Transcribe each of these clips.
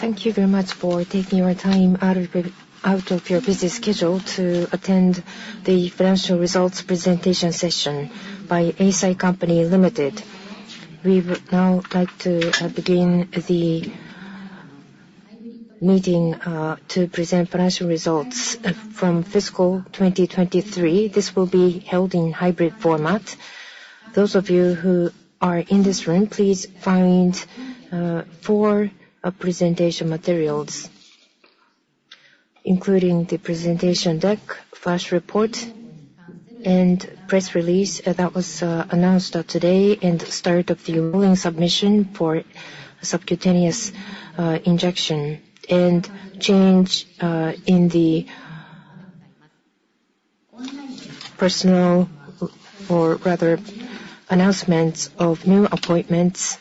Thank you very much for taking your time out of your busy schedule to attend the financial results presentation session by Eisai Company Limited. We would now like to begin the meeting to present financial results from fiscal 2023. This will be held in hybrid format. Those of you who are in this room, please find four presentation materials, including the presentation deck, flash report, and press release that was announced today and start of the rolling submission for subcutaneous injection, and change in the personnel or rather announcements of new appointments.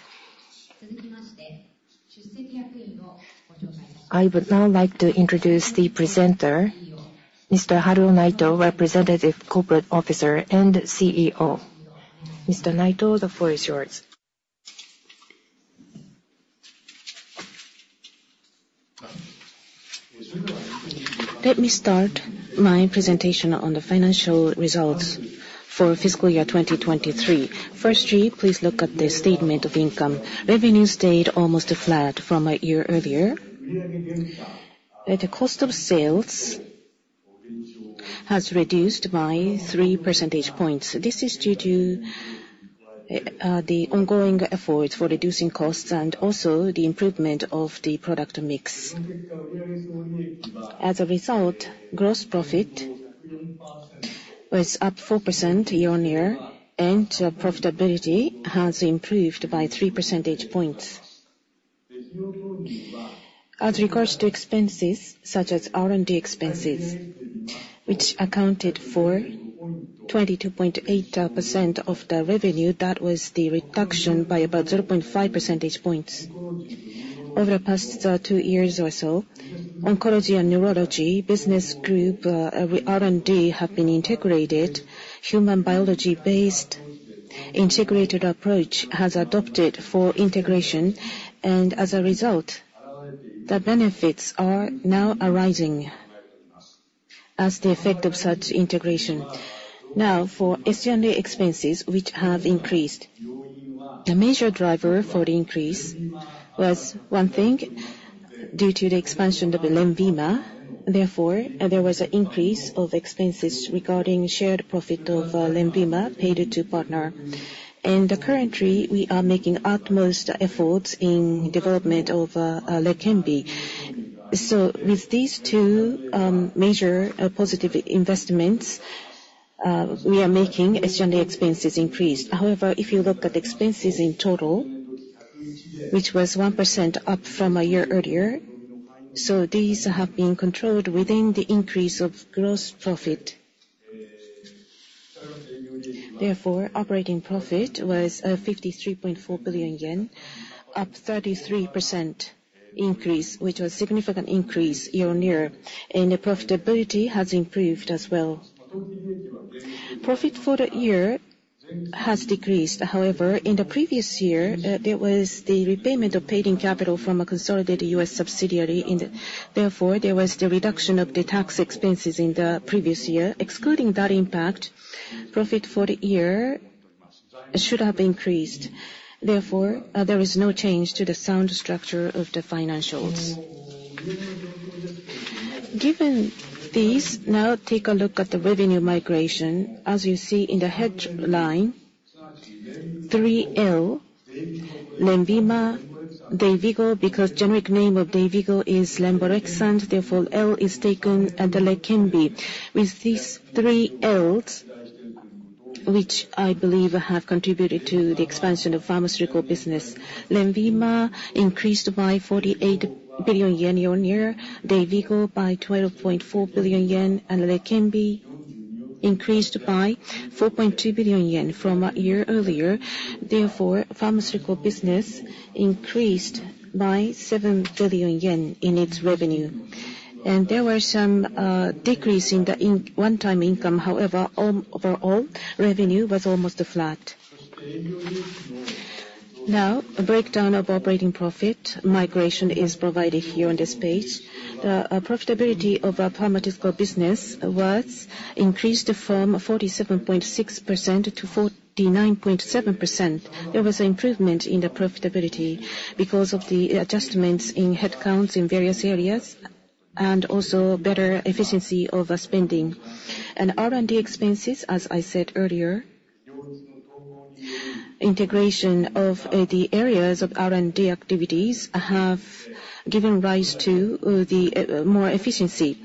I would now like to introduce the presenter, Mr. Haruo Naito, Representative Corporate Officer and CEO. Mr. Naito, the floor is yours. Let me start my presentation on the financial results for fiscal year 2023. Firstly, please look at the statement of income. Revenue stayed almost flat from a year earlier. The cost of sales has reduced by 3 percentage points. This is due to the ongoing efforts for reducing costs and also the improvement of the product mix. As a result, gross profit was up 4% year-on-year, and profitability has improved by 3 percentage points. As regards to expenses, such as R&D expenses, which accounted for 22.8% of the revenue, that was the reduction by about 0.5 percentage points over the past two years or so. Oncology and neurology, business group R&D have been integrated. Human biology-based integrated approach has adopted for integration, and as a result, the benefits are now arising as the effect of such integration. Now, for SG&A expenses, which have increased, the major driver for the increase was, one thing, due to the expansion of Lenvima. Therefore, there was an increase of expenses regarding shared profit of Lenvima paid to partner. And currently, we are making utmost efforts in development of Leqembi. So with these two major positive investments, we are making SG&A expenses increased. However, if you look at expenses in total, which was 1% up from a year earlier, so these have been controlled within the increase of gross profit. Therefore, operating profit was 53.4 billion yen, up 33% increase, which was a significant increase year-on-year, and the profitability has improved as well. Profit for the year has decreased. However, in the previous year, there was the repayment of paid-in capital from a consolidated US subsidiary. Therefore, there was the reduction of the tax expenses in the previous year. Excluding that impact, profit for the year should have increased. Therefore, there is no change to the sound structure of the financials. Given these, now take a look at the revenue migration. As you see in the headline, 3 Ls: Lenvima, Dayvigo, because the generic name of Dayvigo is Lemborexant. Therefore, L is taken at the Leqembi. With these 3 Ls, which I believe have contributed to the expansion of pharmaceutical business, Lenvima increased by 48 billion yen year-on-year, Dayvigo by 12.4 billion yen, and Leqembi increased by 4.2 billion yen from a year earlier. Therefore, pharmaceutical business increased by 7 billion yen in its revenue. There was some decrease in the one-time income. However, overall, revenue was almost flat. Now, a breakdown of operating profit migration is provided here on this page. The profitability of pharmaceutical business was increased from 47.6% to 49.7%. There was an improvement in the profitability because of the adjustments in headcounts in various areas and also better efficiency of spending. And R&D expenses, as I said earlier, integration of the areas of R&D activities have given rise to the more efficiency,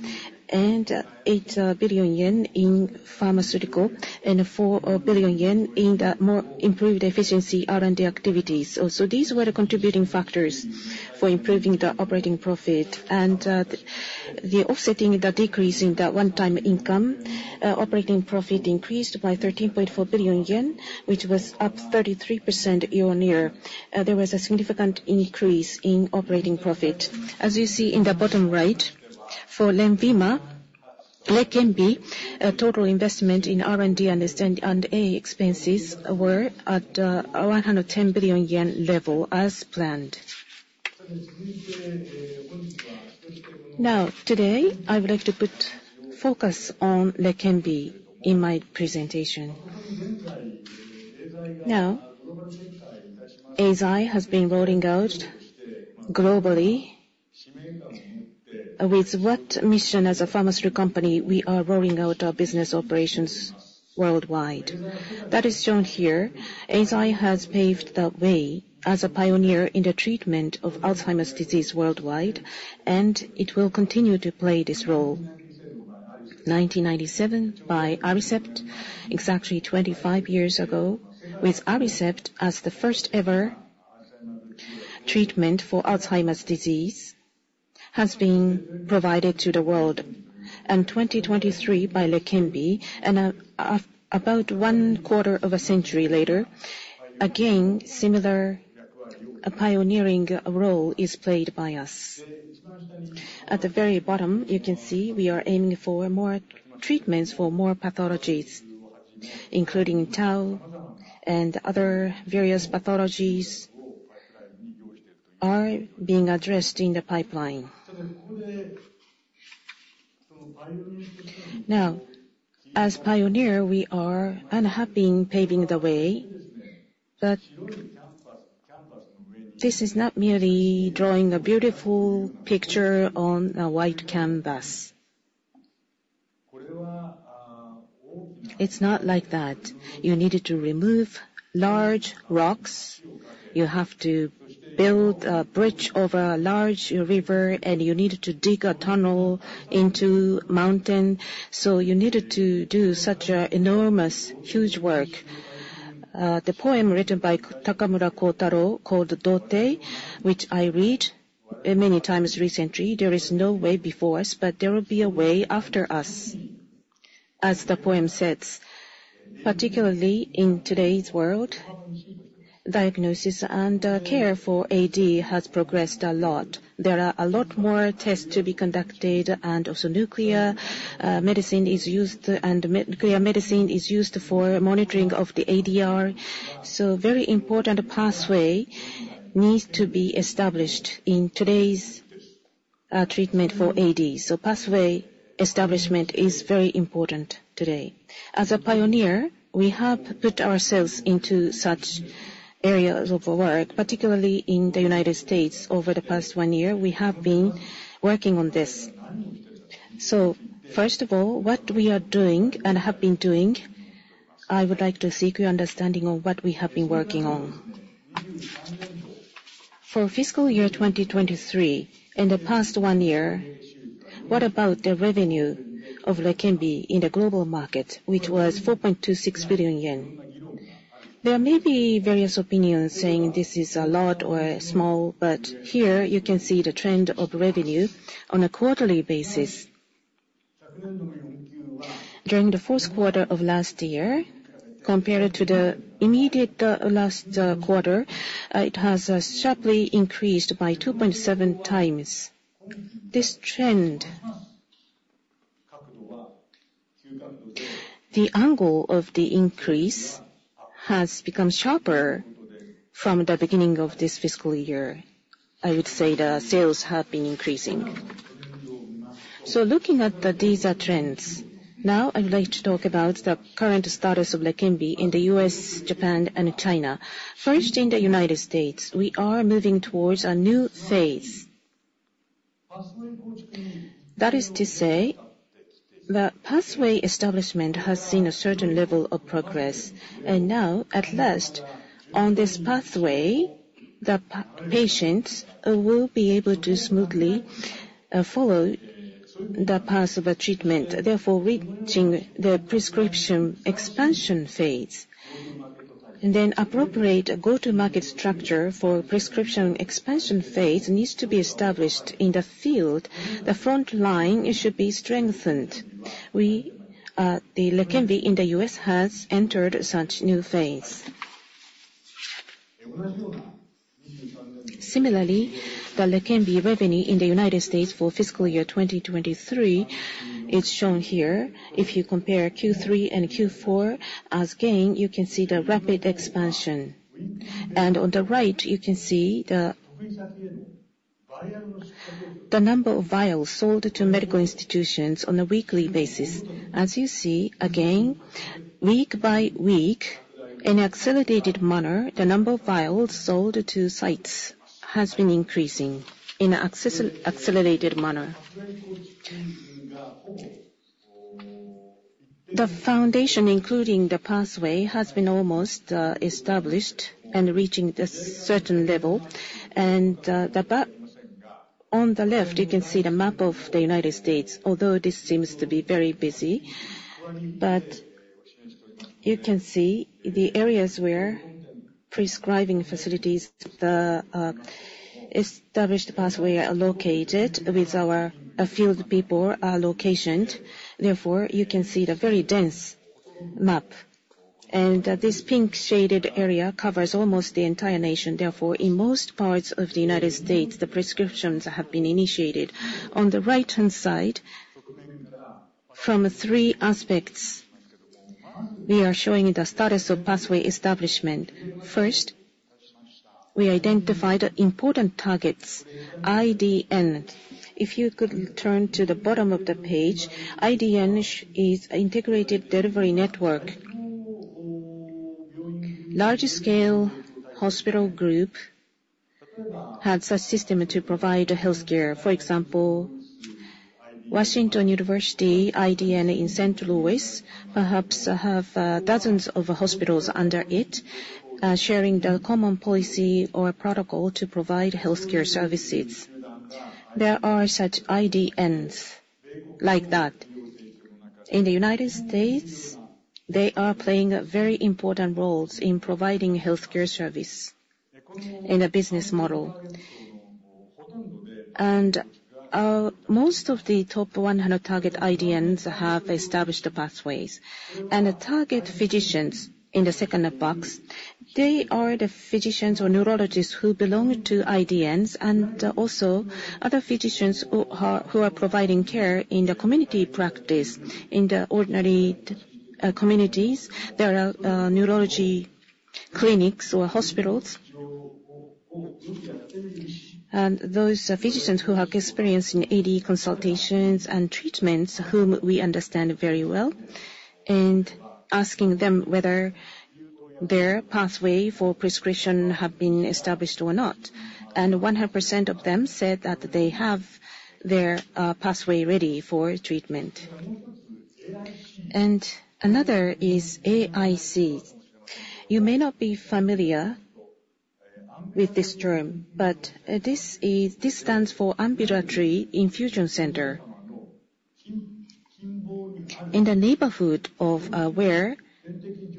and 8 billion yen in pharmaceutical and 4 billion yen in the more improved efficiency R&D activities. So these were the contributing factors for improving the operating profit. And the offsetting in the decrease in the one-time income, operating profit increased by 13.4 billion yen, which was up 33% year-on-year. There was a significant increase in operating profit. As you see in the bottom right, for Leqembi, total investment in R&D and SG&A expenses were at the 110 billion yen level as planned. Now, today, I would like to put focus on Leqembi in my presentation. Now, Eisai has been rolling out globally with what mission as a pharmaceutical company we are rolling out our business operations worldwide. That is shown here. Eisai has paved the way as a pioneer in the treatment of Alzheimer's disease worldwide, and it will continue to play this role. 1997 by Aricept, exactly 25 years ago, with Aricept as the first-ever treatment for Alzheimer's disease, has been provided to the world. And 2023 by Leqembi, and about one-quarter of a century later, again, similar pioneering role is played by us. At the very bottom, you can see we are aiming for more treatments for more pathologies, including tau and other various pathologies that are being addressed in the pipeline. Now, as pioneer, we are and have been paving the way, but this is not merely drawing a beautiful picture on a white canvas. It's not like that. You needed to remove large rocks. You have to build a bridge over a large river, and you needed to dig a tunnel into a mountain. So you needed to do such enormous, huge work. The poem written by Takamura Kōtarō called Dōtei, which I read many times recently, "There is no way before us, but there will be a way after us," as the poem says. Particularly in today's world, diagnosis and care for AD has progressed a lot. There are a lot more tests to be conducted, and also nuclear medicine is used, and nuclear medicine is used for monitoring of the ARIA. So a very important pathway needs to be established in today's treatment for AD. So pathway establishment is very important today. As a pioneer, we have put ourselves into such areas of work, particularly in the United States. Over the past one year, we have been working on this. So first of all, what we are doing and have been doing, I would like to seek your understanding of what we have been working on. For fiscal year 2023, in the past one year, what about the revenue of Leqembi in the global market, which was 4.26 billion yen? There may be various opinions saying this is a lot or small, but here you can see the trend of revenue on a quarterly basis. During the fourth quarter of last year, compared to the immediate last quarter, it has sharply increased by 2.7x. This trend, the angle of the increase has become sharper from the beginning of this fiscal year. I would say the sales have been increasing. So looking at these trends, now I would like to talk about the current status of Leqembi in the US, Japan, and China. First, in the United States, we are moving towards a new phase. That is to say, the pathway establishment has seen a certain level of progress. And now, at last, on this pathway, the patients will be able to smoothly follow the path of a treatment, therefore reaching the prescription expansion phase. And then appropriate go-to-market structure for prescription expansion phase needs to be established in the field. The front line should be strengthened. The Leqembi in the U.S. has entered such new phase. Similarly, the Leqembi revenue in the United States for fiscal year 2023 is shown here. If you compare Q3 and Q4 as gain, you can see the rapid expansion. And on the right, you can see the number of vials sold to medical institutions on a weekly basis. As you see, again, week by week, in an accelerated manner, the number of vials sold to sites has been increasing in an accelerated manner. The foundation, including the pathway, has been almost established and reaching a certain level. And on the left, you can see the map of the United States, although this seems to be very busy. But you can see the areas where prescribing facilities, the established pathway, are located with our field people are located. Therefore, you can see the very dense map. This pink-shaded area covers almost the entire nation. Therefore, in most parts of the United States, the prescriptions have been initiated. On the right-hand side, from three aspects, we are showing the status of pathway establishment. First, we identified important targets, IDN. If you could turn to the bottom of the page, IDN is Integrated Delivery Network. Large-scale hospital group had such a system to provide healthcare. For example, Washington University in St. Louis, perhaps have dozens of hospitals under it sharing the common policy or protocol to provide healthcare services. There are such IDNs like that. In the United States, they are playing very important roles in providing healthcare service in a business model. Most of the top 100 target IDNs have established pathways. The target physicians in the second box, they are the physicians or neurologists who belong to IDNs and also other physicians who are providing care in the community practice. In the ordinary communities, there are neurology clinics or hospitals. Those physicians who have experience in AD consultations and treatments, whom we understand very well, and asking them whether their pathway for prescription has been established or not. 100% of them said that they have their pathway ready for treatment. Another is AIC. You may not be familiar with this term, but this stands for Ambulatory Infusion Center. In the neighborhood of where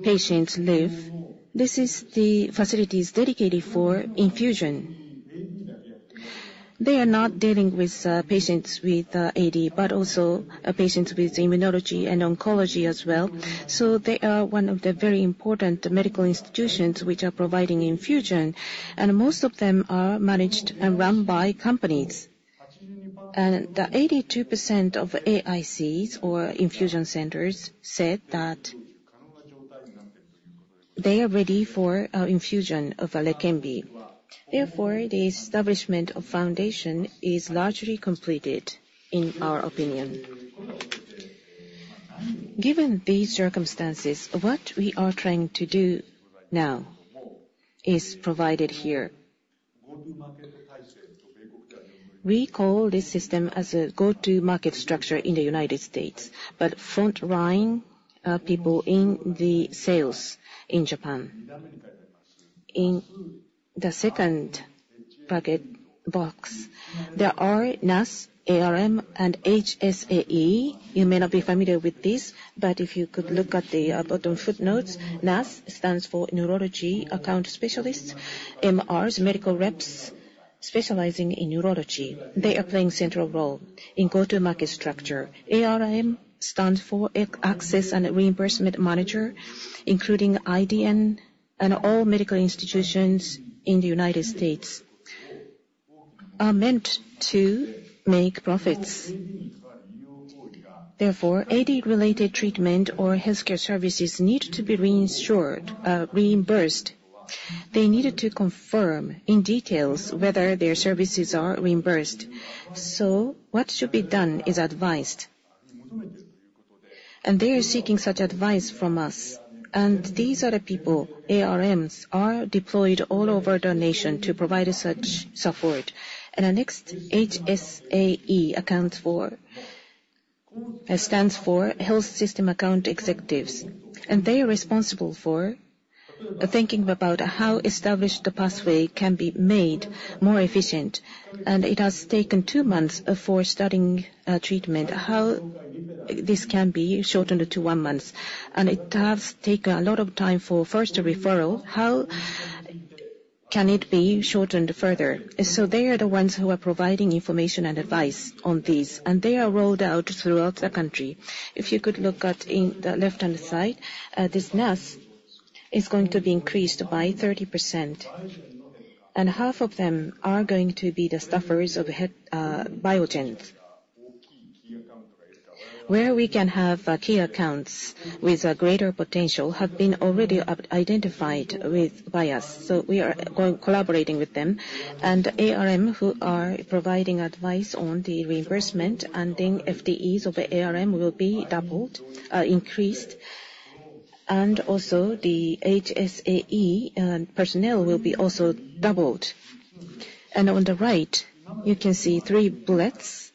patients live, this is the facility dedicated for infusion. They are not dealing with patients with AD, but also patients with immunology and oncology as well. So they are one of the very important medical institutions which are providing infusion. Most of them are managed and run by companies. The 82% of AICs or infusion centers said that they are ready for infusion of Leqembi. Therefore, the establishment of foundation is largely completed, in our opinion. Given these circumstances, what we are trying to do now is provided here. We call this system as a go-to-market structure in the United States, but frontline people in the sales in Japan. In the second bucket box, there are NAS, ARM, and HSAE. You may not be familiar with this, but if you could look at the bottom footnotes, NAS stands for Neurology Account Specialists, MRs, medical reps specializing in neurology. They are playing a central role in go-to-market structure. ARM stands for Access and Reimbursement Manager, including IDN and all medical institutions in the United States. Are meant to make profits. Therefore, AD-related treatment or healthcare services need to be reimbursed. They needed to confirm in detail whether their services are reimbursed. What should be done is advised. They are seeking such advice from us. These are the people, ARMs are deployed all over the nation to provide such support. The next HSAE stands for Health System Account Executives. They are responsible for thinking about how established the pathway can be made more efficient. It has taken two months for starting treatment. How this can be shortened to one month. It has taken a lot of time for first a referral. How can it be shortened further? They are the ones who are providing information and advice on these. They are rolled out throughout the country. If you could look at the left-hand side, this NAS is going to be increased by 30%. And half of them are going to be the staffers of Biogen's. Where we can have key accounts with greater potential have been already identified by us. So we are collaborating with them. And ARM who are providing advice on the reimbursement and then FTEs of ARM will be doubled, increased. And also the HSAE personnel will be also doubled. And on the right, you can see 3 bullets.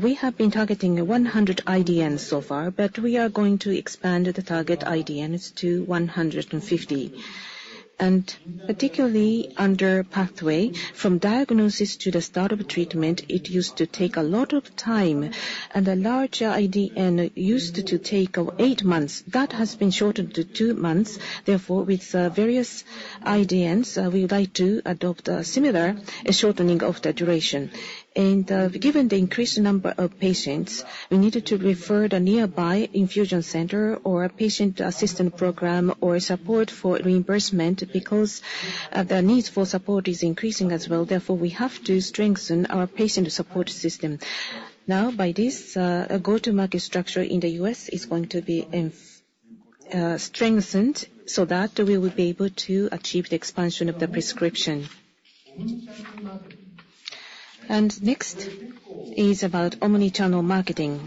We have been targeting 100 IDNs so far, but we are going to expand the target IDNs to 150. And particularly under pathway, from diagnosis to the start of treatment, it used to take a lot of time. And the larger IDN used to take 8 months. That has been shortened to 2 months. Therefore, with various IDNs, we would like to adopt a similar shortening of the duration. Given the increased number of patients, we needed to refer the nearby infusion center or a patient assistant program or support for reimbursement because the need for support is increasing as well. Therefore, we have to strengthen our patient support system. Now, by this, a go-to-market structure in the US is going to be strengthened so that we will be able to achieve the expansion of the prescription. Next is about omnichannel marketing.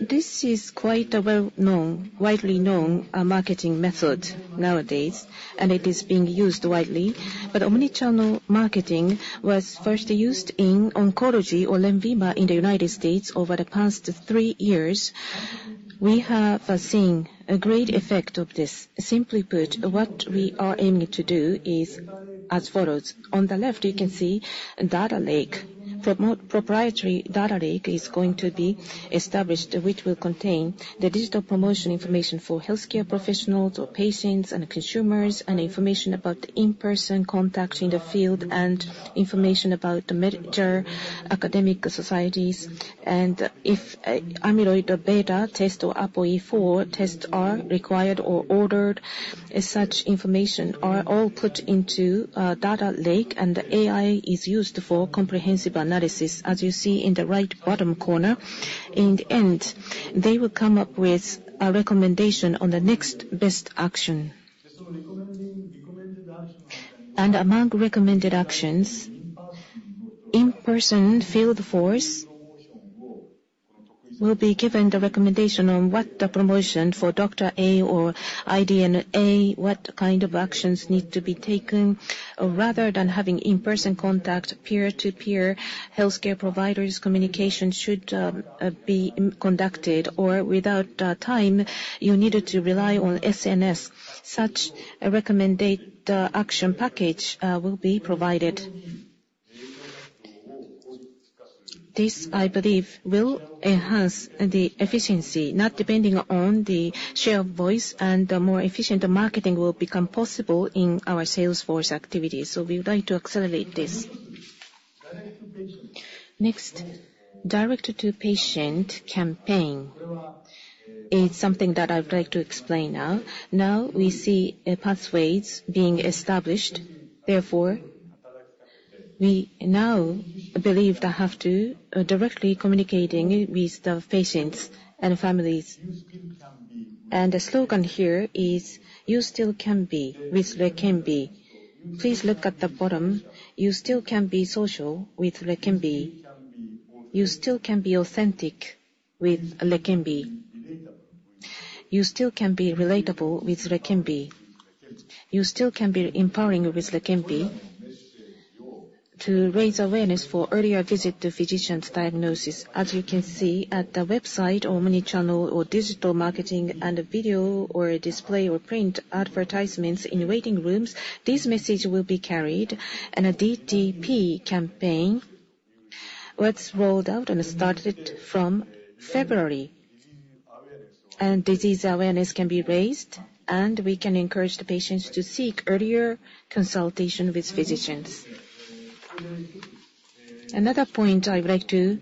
This is quite a well-known, widely known marketing method nowadays, and it is being used widely. Omnichannel marketing was first used in oncology or lymphoma in the United States over the past three years. We have seen a great effect of this. Simply put, what we are aiming to do is as follows. On the left, you can see Data Lake. Proprietary Data Lake is going to be established, which will contain the digital promotion information for healthcare professionals or patients and consumers and information about in-person contact in the field and information about the major academic societies. If Amyloid Beta test or APOE4 tests are required or ordered, such information are all put into Data Lake, and the AI is used for comprehensive analysis, as you see in the right bottom corner. In the end, they will come up with a recommendation on the next best action. Among recommended actions, in-person field force will be given the recommendation on what the promotion for Dr. A or IDN, what kind of actions need to be taken. Rather than having in-person contact, peer-to-peer healthcare providers communication should be conducted. Or without time, you needed to rely on SNS. Such a recommended action package will be provided. This, I believe, will enhance the efficiency, not depending on the share of voice, and more efficient marketing will become possible in our salesforce activities. We would like to accelerate this. Next, direct-to-patient campaign is something that I would like to explain now. Now we see pathways being established. Therefore, we now believe that we have to directly communicate with the patients and families. The slogan here is, "You still can be with Leqembi." Please look at the bottom. You still can be social with Leqembi. You still can be authentic with Leqembi. You still can be relatable with Leqembi. You still can be empowering with Leqembi to raise awareness for earlier visit to physicians' diagnosis. As you can see at the website, omnichannel or digital marketing, and video or display or print advertisements in waiting rooms, these messages will be carried. A DTP campaign was rolled out and started from February. Disease awareness can be raised, and we can encourage the patients to seek earlier consultation with physicians. Another point I would like to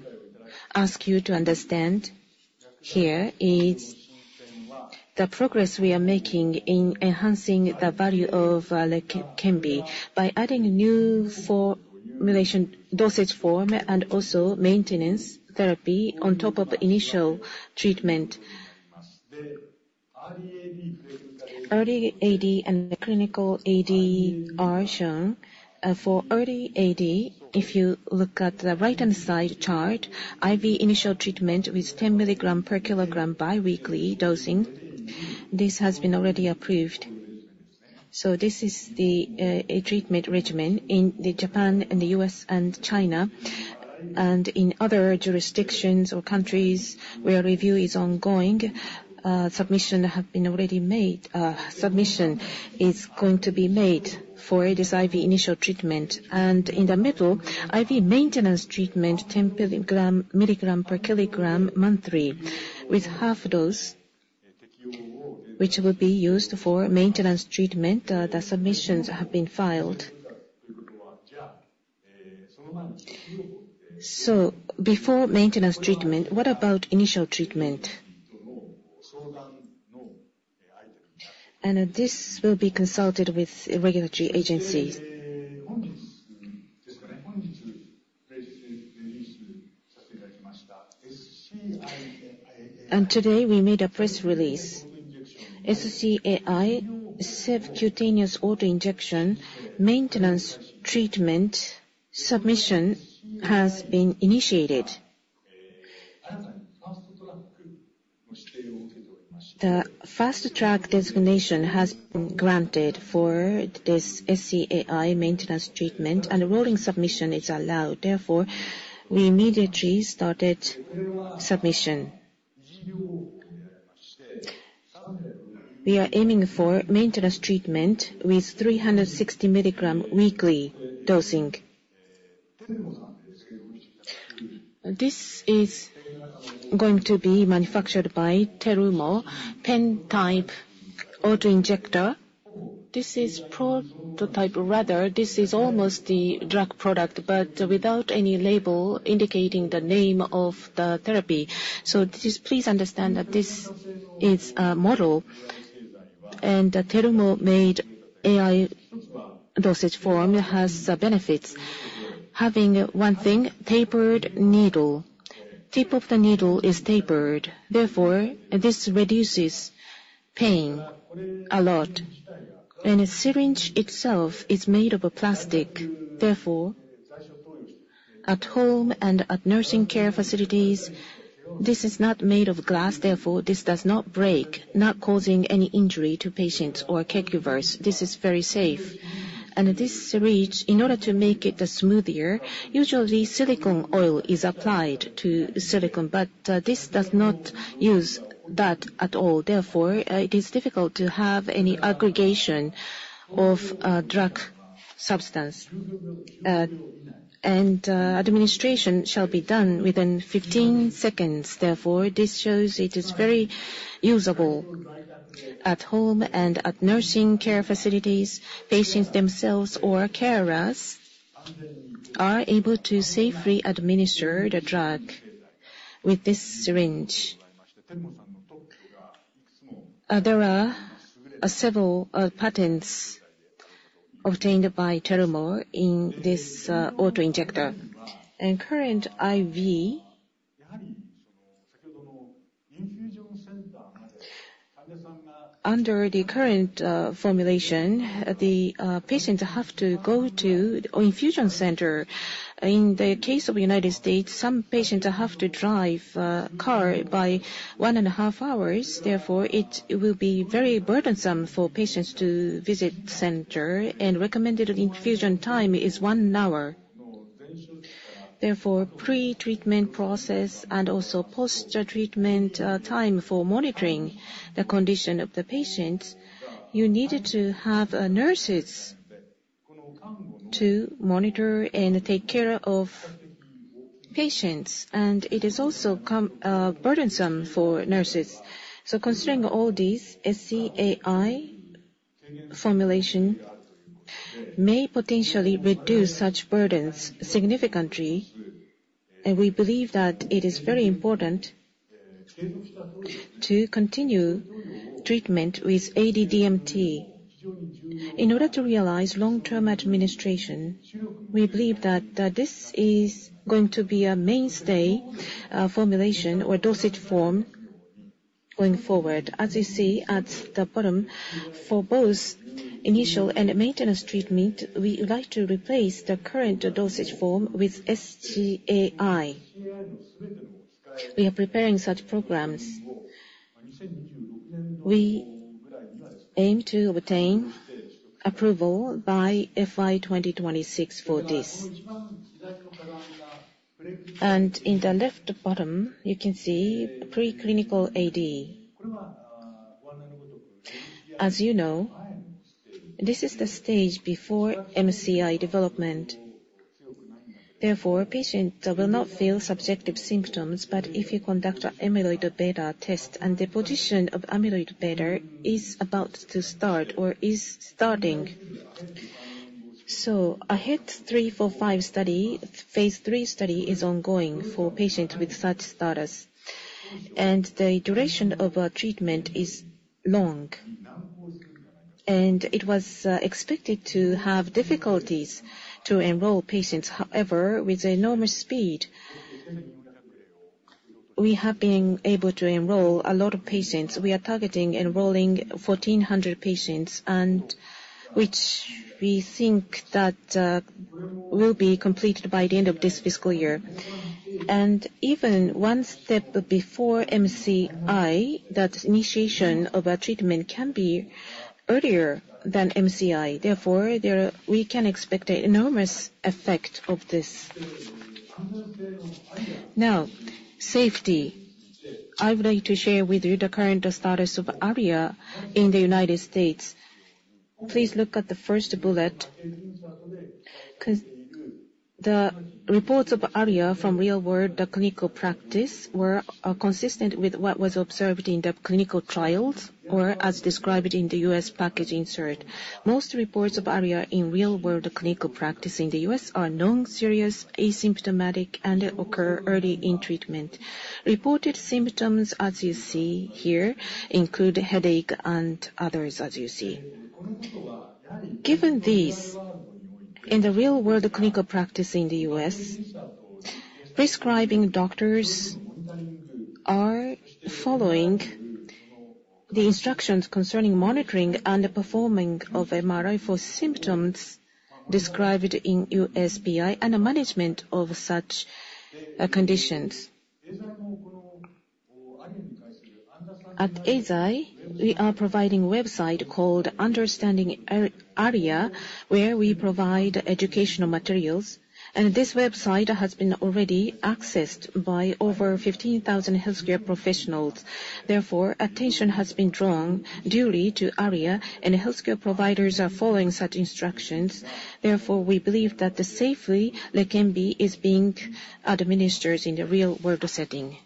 ask you to understand here is the progress we are making in enhancing the value of Leqembi by adding new dosage form and also maintenance therapy on top of initial treatment. Early AD and clinical AD are shown. For early AD, if you look at the right-hand side chart, IV initial treatment with 10 milligrams per kilogram biweekly dosing, this has been already approved. This is the treatment regimen in Japan, the U.S., and China. In other jurisdictions or countries where review is ongoing, submission has been already made. Submission is going to be made for this IV initial treatment. In the middle, IV maintenance treatment, 10 mg per kg monthly, with half dose, which will be used for maintenance treatment, the submissions have been filed. So before maintenance treatment, what about initial treatment? This will be consulted with regulatory agencies. Today, we made a press release. SC-AI subcutaneous auto-injector maintenance treatment submission has been initiated. The Fast Track designation has been granted for this SC-AI maintenance treatment, and rolling submission is allowed. Therefore, we immediately started submission. We are aiming for maintenance treatment with 360 mg weekly dosing. This is going to be manufactured by Terumo pen-type auto-injector. This is prototype rather. This is almost the drug product, but without any label indicating the name of the therapy. So please understand that this is a model. And the Terumo made AI dosage form has benefits. Having one thing, tapered needle. Tip of the needle is tapered. Therefore, this reduces pain a lot. And the syringe itself is made of plastic. Therefore, at home and at nursing care facilities, this is not made of glass. Therefore, this does not break, not causing any injury to patients or caregivers. This is very safe. And this syringe, in order to make it smoother, usually silicone oil is applied to silicone, but this does not use that at all. Therefore, it is difficult to have any aggregation of drug substance. And administration shall be done within 15 seconds. Therefore, this shows it is very usable at home and at nursing care facilities. Patients themselves or carers are able to safely administer the drug with this syringe. There are several patents obtained by Terumo in this auto injector. Current IV, under the current formulation, the patients have to go to infusion center. In the case of the United States, some patients have to drive car by 1.5 hours. Therefore, it will be very burdensome for patients to visit the center. Recommended infusion time is 1 hour. Therefore, pre-treatment process and also post-treatment time for monitoring the condition of the patients, you needed to have nurses to monitor and take care of patients. It is also burdensome for nurses. Considering all this, SC-AI formulation may potentially reduce such burdens significantly. We believe that it is very important to continue treatment with ADDMT. In order to realize long-term administration, we believe that this is going to be a mainstay formulation or dosage form going forward. As you see at the bottom, for both initial and maintenance treatment, we would like to replace the current dosage form with SCAI. We are preparing such programs. We aim to obtain approval by FY 2026 for this. And in the left bottom, you can see preclinical AD. As you know, this is the stage before MCI development. Therefore, patients will not feel subjective symptoms. But if you conduct an amyloid beta test and the position of amyloid beta is about to start or is starting, so AHEAD 3-45 study, phase 3 study is ongoing for patients with such status. And the duration of treatment is long. And it was expected to have difficulties to enroll patients. However, with enormous speed, we have been able to enroll a lot of patients. We are targeting enrolling 1,400 patients, which we think that will be completed by the end of this fiscal year. And even one step before MCI, that initiation of treatment can be earlier than MCI. Therefore, we can expect an enormous effect of this. Now, safety. I would like to share with you the current status of ARIA in the United States. Please look at the first bullet. The reports of ARIA from real-world clinical practice were consistent with what was observed in the clinical trials or as described in the U.S. package insert. Most reports of ARIA in real-world clinical practice in the U.S. are known, serious, asymptomatic, and occur early in treatment. Reported symptoms, as you see here, include headache and others, as you see. Given these, in the real-world clinical practice in the US, prescribing doctors are following the instructions concerning monitoring and the performing of MRI for symptoms described in USPI and the management of such conditions. At Eisai, we are providing a website called Understanding ARIA, where we provide educational materials. This website has been already accessed by over 15,000 healthcare professionals. Therefore, attention has been drawn duly to ARIA, and healthcare providers are following such instructions. Therefore, we believe that safely, Leqembi is being administered in the real-world setting.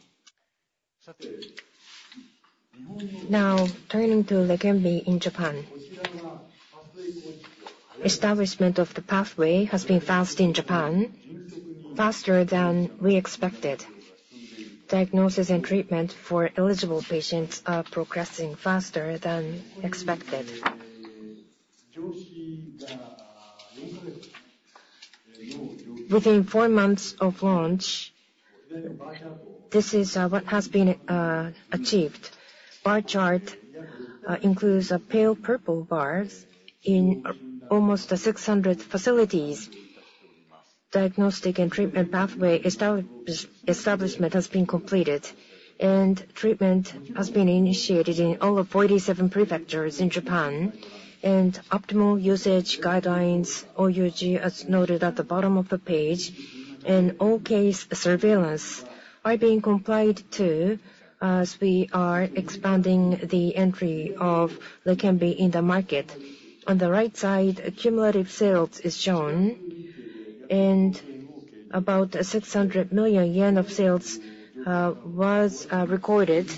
Now, turning to Leqembi in Japan. Establishment of the pathway has been fast in Japan, faster than we expected. Diagnosis and treatment for eligible patients are progressing faster than expected. Within four months of launch, this is what has been achieved. Bar chart includes pale purple bars in almost 600 facilities. Diagnostic and treatment pathway establishment has been completed, and treatment has been initiated in all of 47 prefectures in Japan. Optimal usage guidelines, OUG as noted at the bottom of the page, and all-case surveillance are being complied to as we are expanding the entry of Leqembi in the market. On the right side, cumulative sales is shown. About 600 million yen of sales was recorded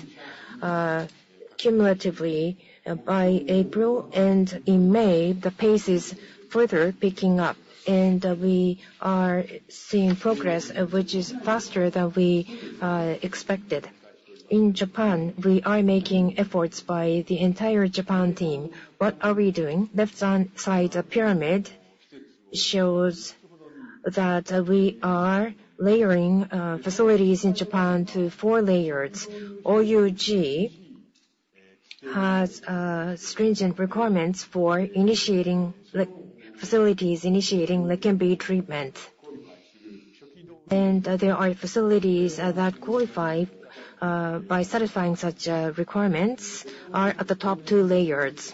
cumulatively by April. In May, the pace is further picking up. We are seeing progress, which is faster than we expected. In Japan, we are making efforts by the entire Japan team. What are we doing? Left side pyramid shows that we are layering facilities in Japan to four layers. OUG has stringent requirements for facilities initiating Leqembi treatment. There are facilities that qualify by satisfying such requirements are at the top two layers.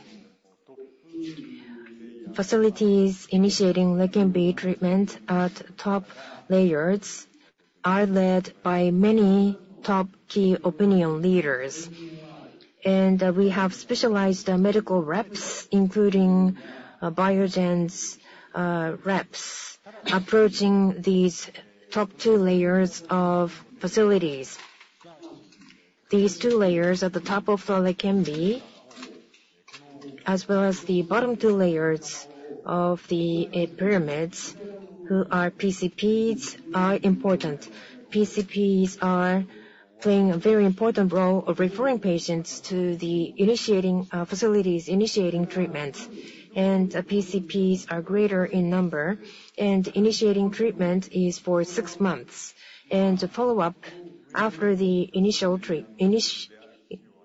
Facilities initiating Leqembi treatment at top layers are led by many top key opinion leaders. We have specialized medical reps, including Biogen's reps, approaching these top two layers of facilities. These two layers at the top of Leqembi, as well as the bottom two layers of the pyramids, who are PCPs, are important. PCPs are playing a very important role of referring patients to the facilities initiating treatment. PCPs are greater in number. Initiating treatment is for six months. Follow-up after the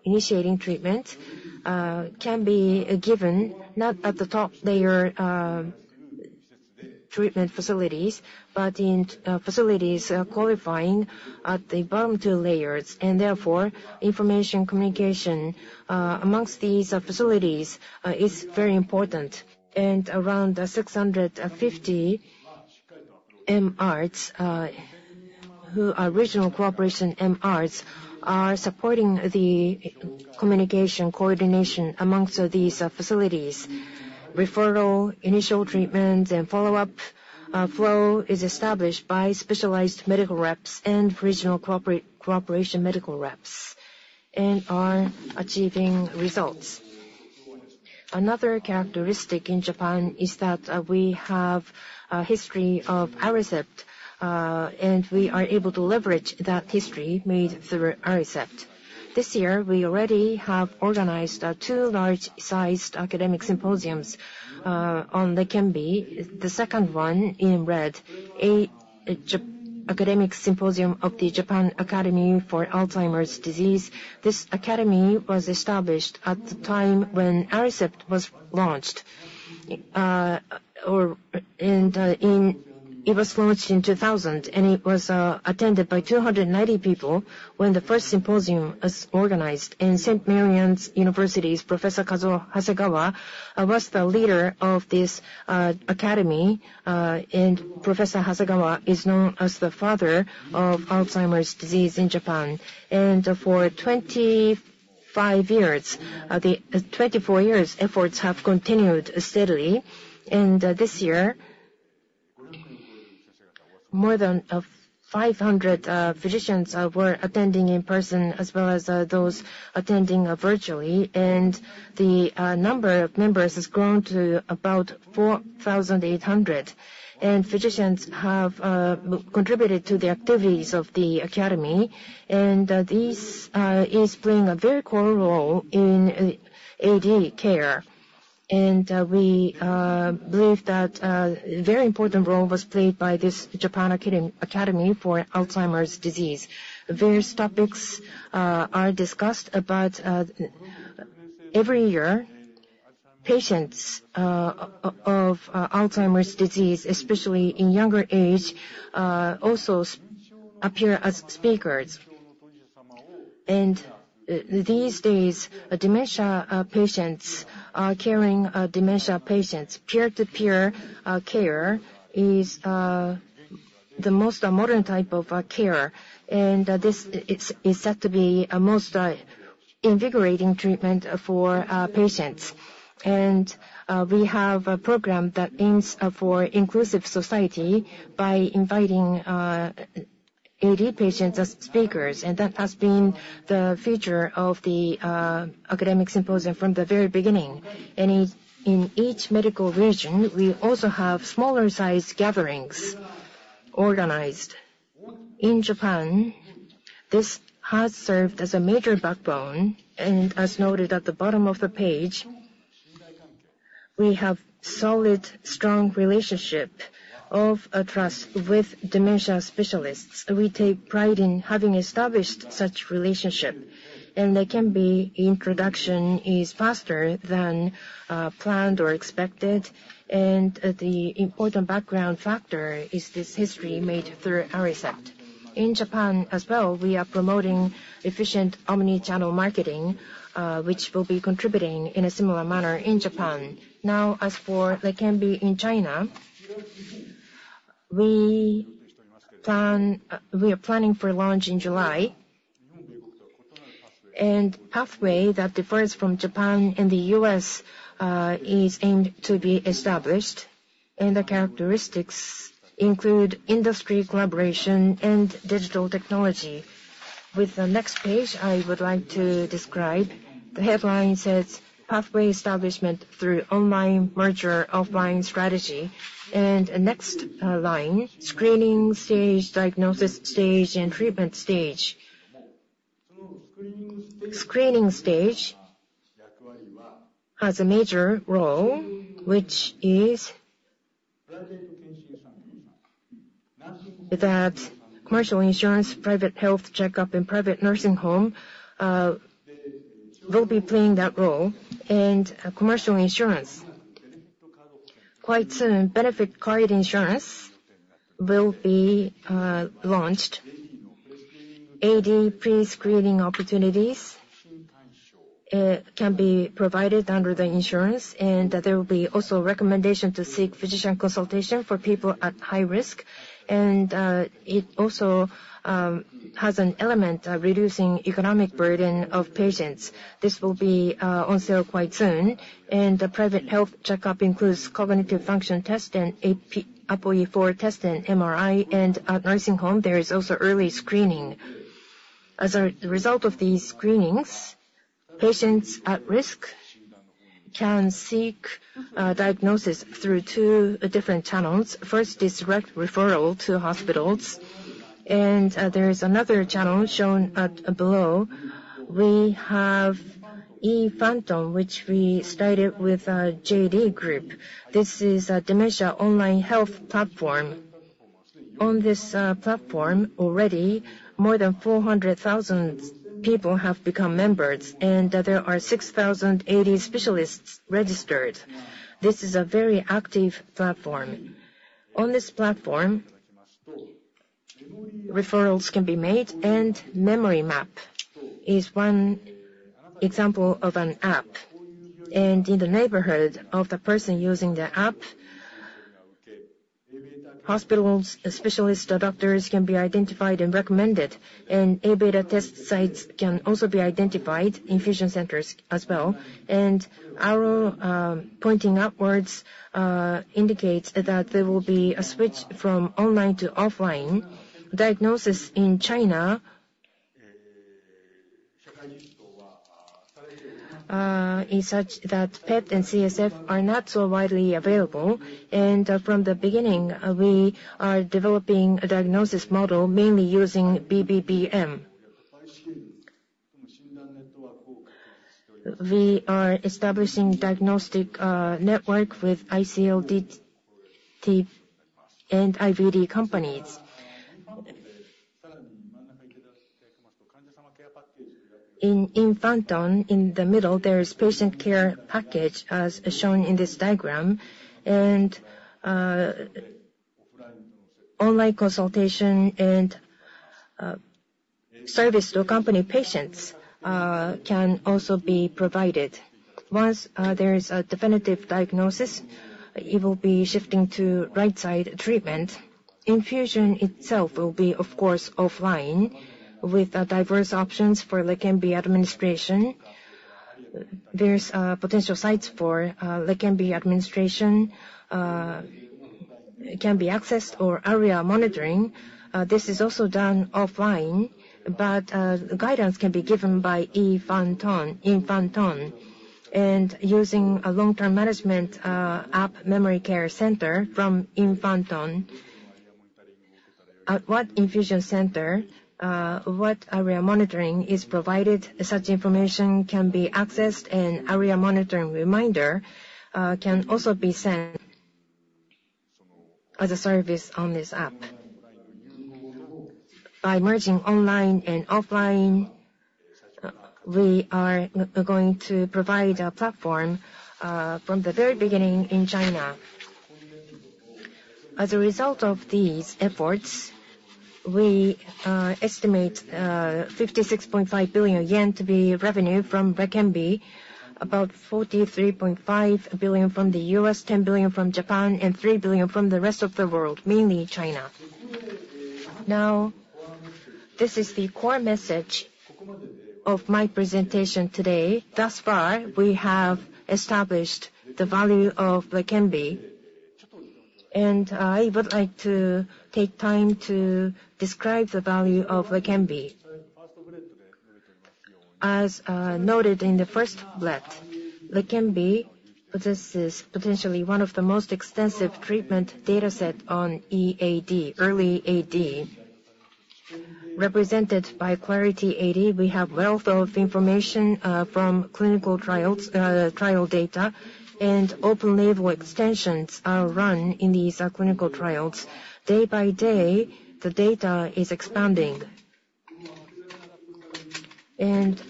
initiating treatment can be given not at the top layer treatment facilities, but in facilities qualifying at the bottom two layers. Therefore, information communication among these facilities is very important. Around 650 MRs, who are regional cooperation MRs, are supporting the communication coordination among these facilities. Referral, initial treatments, and follow-up flow is established by specialized medical reps and regional cooperation medical reps and are achieving results. Another characteristic in Japan is that we have a history of Aricept. We are able to leverage that history made through Aricept. This year, we already have organized 2 large-sized academic symposiums on Leqembi, the second one in red, Academic Symposium of the Japan Academy for Alzheimer's Disease. This academy was established at the time when Aricept was launched. It was launched in 2000. It was attended by 290 people when the first symposium was organized. St. Marianna University's Professor Kazuo Hasegawa was the leader of this academy. Professor Hasegawa is known as the father of Alzheimer's disease in Japan. For 24 years, efforts have continued steadily. This year, more than 500 physicians were attending in person as well as those attending virtually. The number of members has grown to about 4,800. Physicians have contributed to the activities of the academy. This is playing a very core role in AD care. We believe that a very important role was played by this Japan Academy for Alzheimer's Disease. Various topics are discussed. But every year, patients of Alzheimer's Disease, especially in younger age, also appear as speakers. These days, dementia patients are caring dementia patients. Peer-to-peer care is the most modern type of care. This is set to be a most invigorating treatment for patients. We have a program that aims for inclusive society by inviting AD patients as speakers. That has been the feature of the academic symposium from the very beginning. In each medical region, we also have smaller-sized gatherings organized. In Japan, this has served as a major backbone. As noted at the bottom of the page, we have a solid, strong relationship of trust with dementia specialists. We take pride in having established such a relationship. Leqembi introduction is faster than planned or expected. The important background factor is this history made through Aricept. In Japan as well, we are promoting efficient omnichannel marketing, which will be contributing in a similar manner in Japan. Now, as for Leqembi in China, we are planning for launch in July. A pathway that differs from Japan and the U.S. is aimed to be established. The characteristics include industry collaboration and digital technology. With the next page, I would like to describe. The headline says, "Pathway Establishment through Online Merger/Offline Strategy." The next line, "Screening Stage, Diagnosis Stage, and Treatment Stage," has a major role, which is that commercial insurance, private health checkup, and private nursing home will be playing that role. Commercial insurance, quite soon, benefit card insurance will be launched. AD prescreening opportunities can be provided under the insurance. There will be also a recommendation to seek physician consultation for people at high risk. It also has an element of reducing the economic burden of patients. This will be on sale quite soon. The private health checkup includes cognitive function tests and APOE4 tests and MRI. At nursing home, there is also early screening. As a result of these screenings, patients at risk can seek diagnosis through two different channels. First, it's direct referral to hospitals. There is another channel shown below. We have Yifangtong, which we started with the JD Group. This is a dementia online health platform. On this platform, already, more than 400,000 people have become members. There are 6,000 AD specialists registered. This is a very active platform. On this platform, referrals can be made. Memory Map is one example of an app. In the neighborhood of the person using the app, hospitals, specialists, doctors can be identified and recommended. ABETA test sites can also be identified, infusion centers as well. Our pointing upwards indicates that there will be a switch from online to offline. Diagnosis in China is such that PET and CSF are not so widely available. From the beginning, we are developing a diagnosis model mainly using BBBM. We are establishing a diagnostic network with ICL, DT and IVD companies. In Yifangtong, in the middle, there is a patient care package as shown in this diagram. Online consultation and service to accompany patients can also be provided. Once there is a definitive diagnosis, it will be shifting to right-side treatment. Infusion itself will be, of course, offline with diverse options for Leqembi administration. There are potential sites for Leqembi administration. It can be accessed or ARIA monitoring. This is also done offline. But guidance can be given by Yifangtong in Yifangtong. And using a long-term management app, Memory Care Center from Yifangtong, at what infusion center, what ARIA monitoring is provided, such information can be accessed. And an ARIA monitoring reminder can also be sent as a service on this app. By merging online and offline, we are going to provide a platform from the very beginning in China. As a result of these efforts, we estimate 56.5 billion yen to be revenue from Leqembi, about 43.5 billion from the US, 10 billion from Japan, and 3 billion from the rest of the world, mainly China. Now, this is the core message of my presentation today. Thus far, we have established the value of Leqembi. I would like to take time to describe the value of Leqembi. As noted in the first bullet, Leqembi possesses potentially one of the most extensive treatment datasets on early AD. Represented by Clarity AD, we have a wealth of information from clinical trial data. Open label extensions are run in these clinical trials. Day by day, the data is expanding.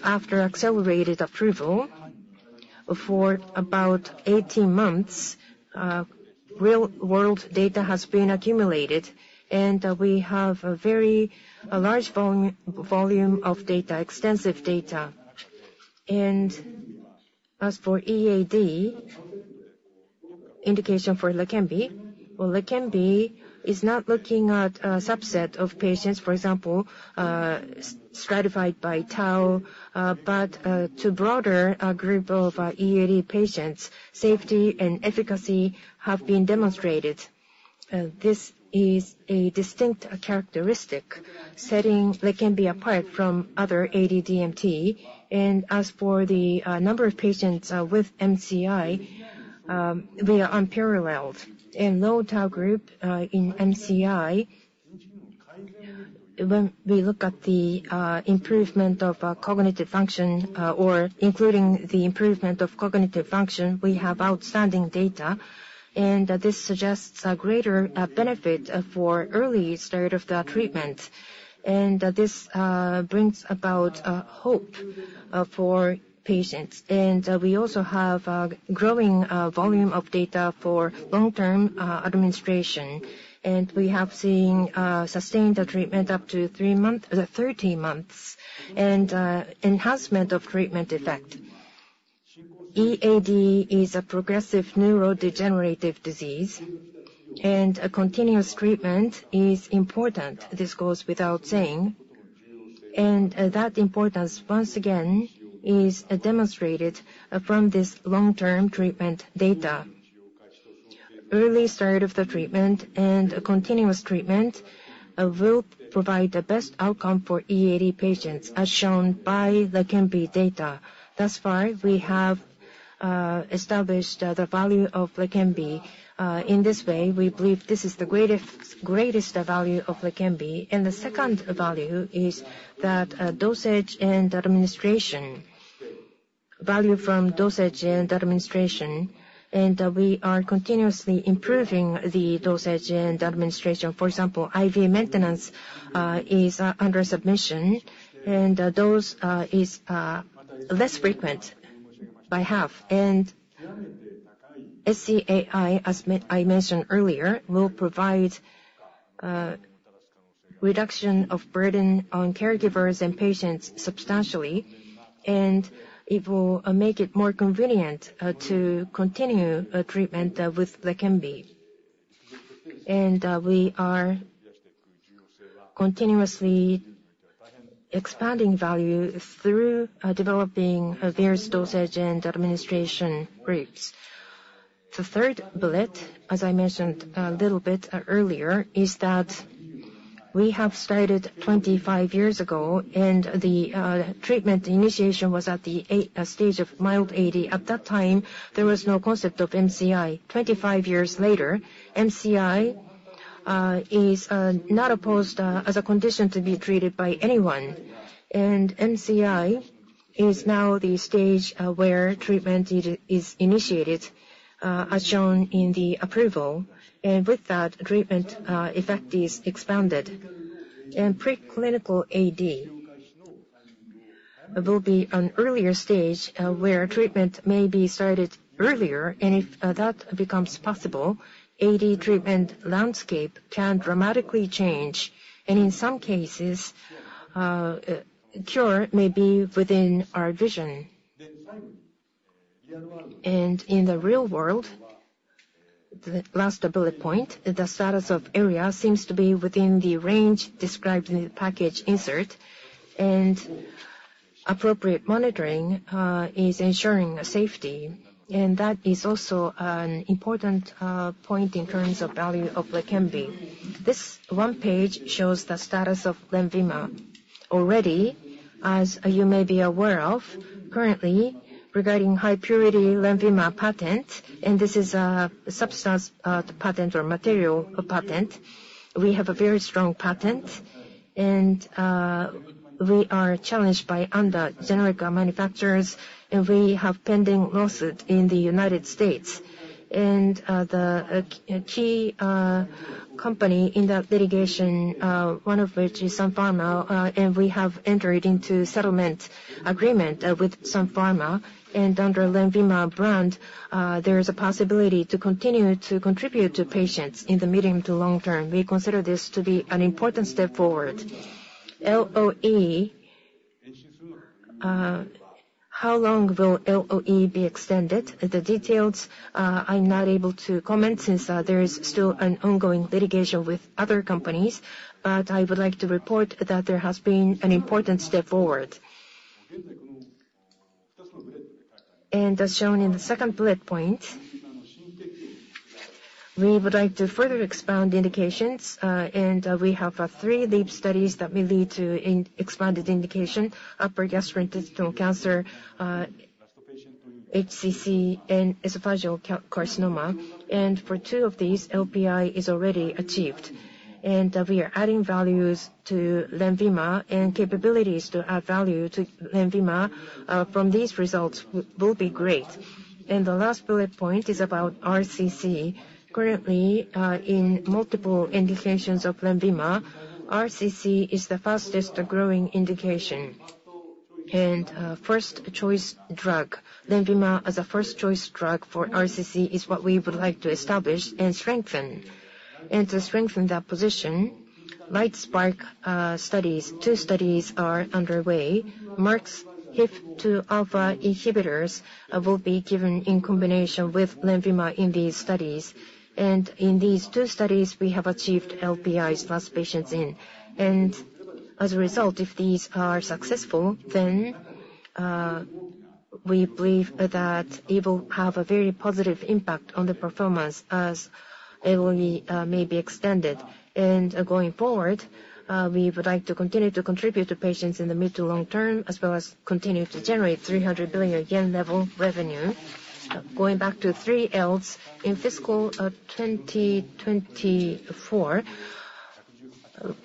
After accelerated approval for about 18 months, real-world data has been accumulated. We have a very large volume of data, extensive data. As for early AD indication for Leqembi, well, Leqembi is not looking at a subset of patients, for example, stratified by tau. But to a broader group of early AD patients, safety and efficacy have been demonstrated. This is a distinct characteristic, setting Leqembi apart from other AD/DMT. As for the number of patients with MCI, we are unparalleled. In the low tau group in MCI, when we look at the improvement of cognitive function or including the improvement of cognitive function, we have outstanding data. This suggests a greater benefit for early stage of the treatment. This brings about hope for patients. We also have a growing volume of data for long-term administration. We have seen sustained treatment up to 30 months and enhancement of treatment effect. Early AD is a progressive neurodegenerative disease. Continuous treatment is important. This goes without saying. And that importance, once again, is demonstrated from this long-term treatment data. Early start of the treatment and continuous treatment will provide the best outcome for Early AD patients, as shown by Leqembi data. Thus far, we have established the value of Leqembi. In this way, we believe this is the greatest value of Leqembi. And the second value is that value from dosage and administration. And we are continuously improving the dosage and administration. For example, IV maintenance is under submission. And those are less frequent by half. And SC-AI, as I mentioned earlier, will provide a reduction of burden on caregivers and patients substantially. And it will make it more convenient to continue treatment with Leqembi. And we are continuously expanding value through developing various dosage and administration groups. The third bullet, as I mentioned a little bit earlier, is that we have started 25 years ago. The treatment initiation was at the stage of mild AD. At that time, there was no concept of MCI. 25 years later, MCI is now posed as a condition to be treated by anyone. MCI is now the stage where treatment is initiated, as shown in the approval. With that, treatment effect is expanded. Preclinical AD will be an earlier stage where treatment may be started earlier. If that becomes possible, AD treatment landscape can dramatically change. In some cases, cure may be within our vision. In the real world, the last bullet point, the status of ARIA seems to be within the range described in the package insert. Appropriate monitoring is ensuring safety. That is also an important point in terms of value of Leqembi. This one page shows the status of Lenvima already, as you may be aware of, currently, regarding high purity Lenvima patent. This is a substance patent or material patent. We have a very strong patent. We are challenged by other generic manufacturers. We have pending lawsuits in the United States. The key company in that litigation, one of which is Sun Pharma, and we have entered into a settlement agreement with Sun Pharma. Under the Lenvima brand, there is a possibility to continue to contribute to patients in the medium to long term. We consider this to be an important step forward. LOE, how long will LOE be extended? The details I'm not able to comment since there is still an ongoing litigation with other companies. I would like to report that there has been an important step forward. As shown in the second bullet point, we would like to further expand indications. We have three LEAP studies that may lead to expanded indication: upper gastrointestinal cancer, HCC, and esophageal carcinoma. For two of these, LPI is already achieved. We are adding values to Lenvima. Capabilities to add value to Lenvima from these results will be great. The last bullet point is about RCC. Currently, in multiple indications of Lenvima, RCC is the fastest growing indication. First choice drug, Lenvima as a first choice drug for RCC is what we would like to establish and strengthen. To strengthen that position, LIGHTSPARK studies, two studies are underway. Merck's HIF2 alpha inhibitors will be given in combination with Lenvima in these studies. In these two studies, we have achieved LPIs last patients in. As a result, if these are successful, then we believe that it will have a very positive impact on the performance as LOE may be extended. Going forward, we would like to continue to contribute to patients in the mid- to long-term, as well as continue to generate 300 billion yen level revenue. Going back to 3Ls in fiscal 2024,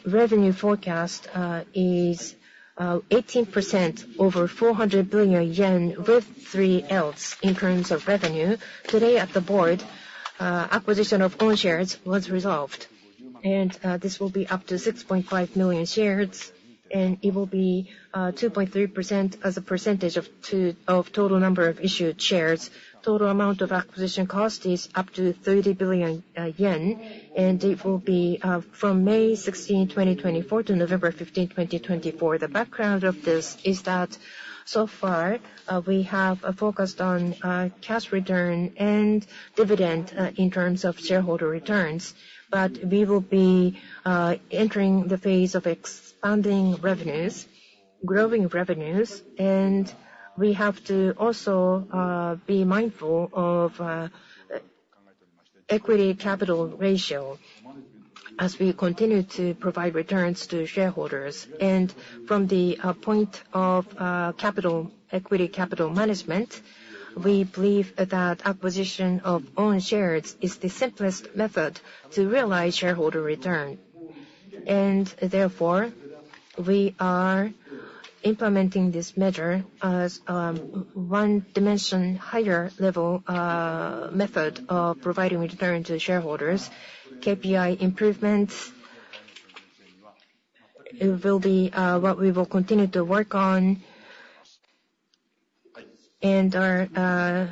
revenue forecast is 18% over 400 billion yen with 3Ls in terms of revenue. Today, at the board, acquisition of own shares was resolved. This will be up to 6.5 million shares. It will be 2.3% as a percentage of total number of issued shares. Total amount of acquisition cost is up to 30 billion yen. It will be from May 16, 2024, to November 15, 2024. The background of this is that so far, we have focused on cash return and dividend in terms of shareholder returns. But we will be entering the phase of expanding revenues, growing revenues. We have to also be mindful of equity capital ratio as we continue to provide returns to shareholders. From the point of equity capital management, we believe that acquisition of own shares is the simplest method to realize shareholder return. Therefore, we are implementing this measure as a one-dimension higher level method of providing return to shareholders. KPI improvements will be what we will continue to work on. Our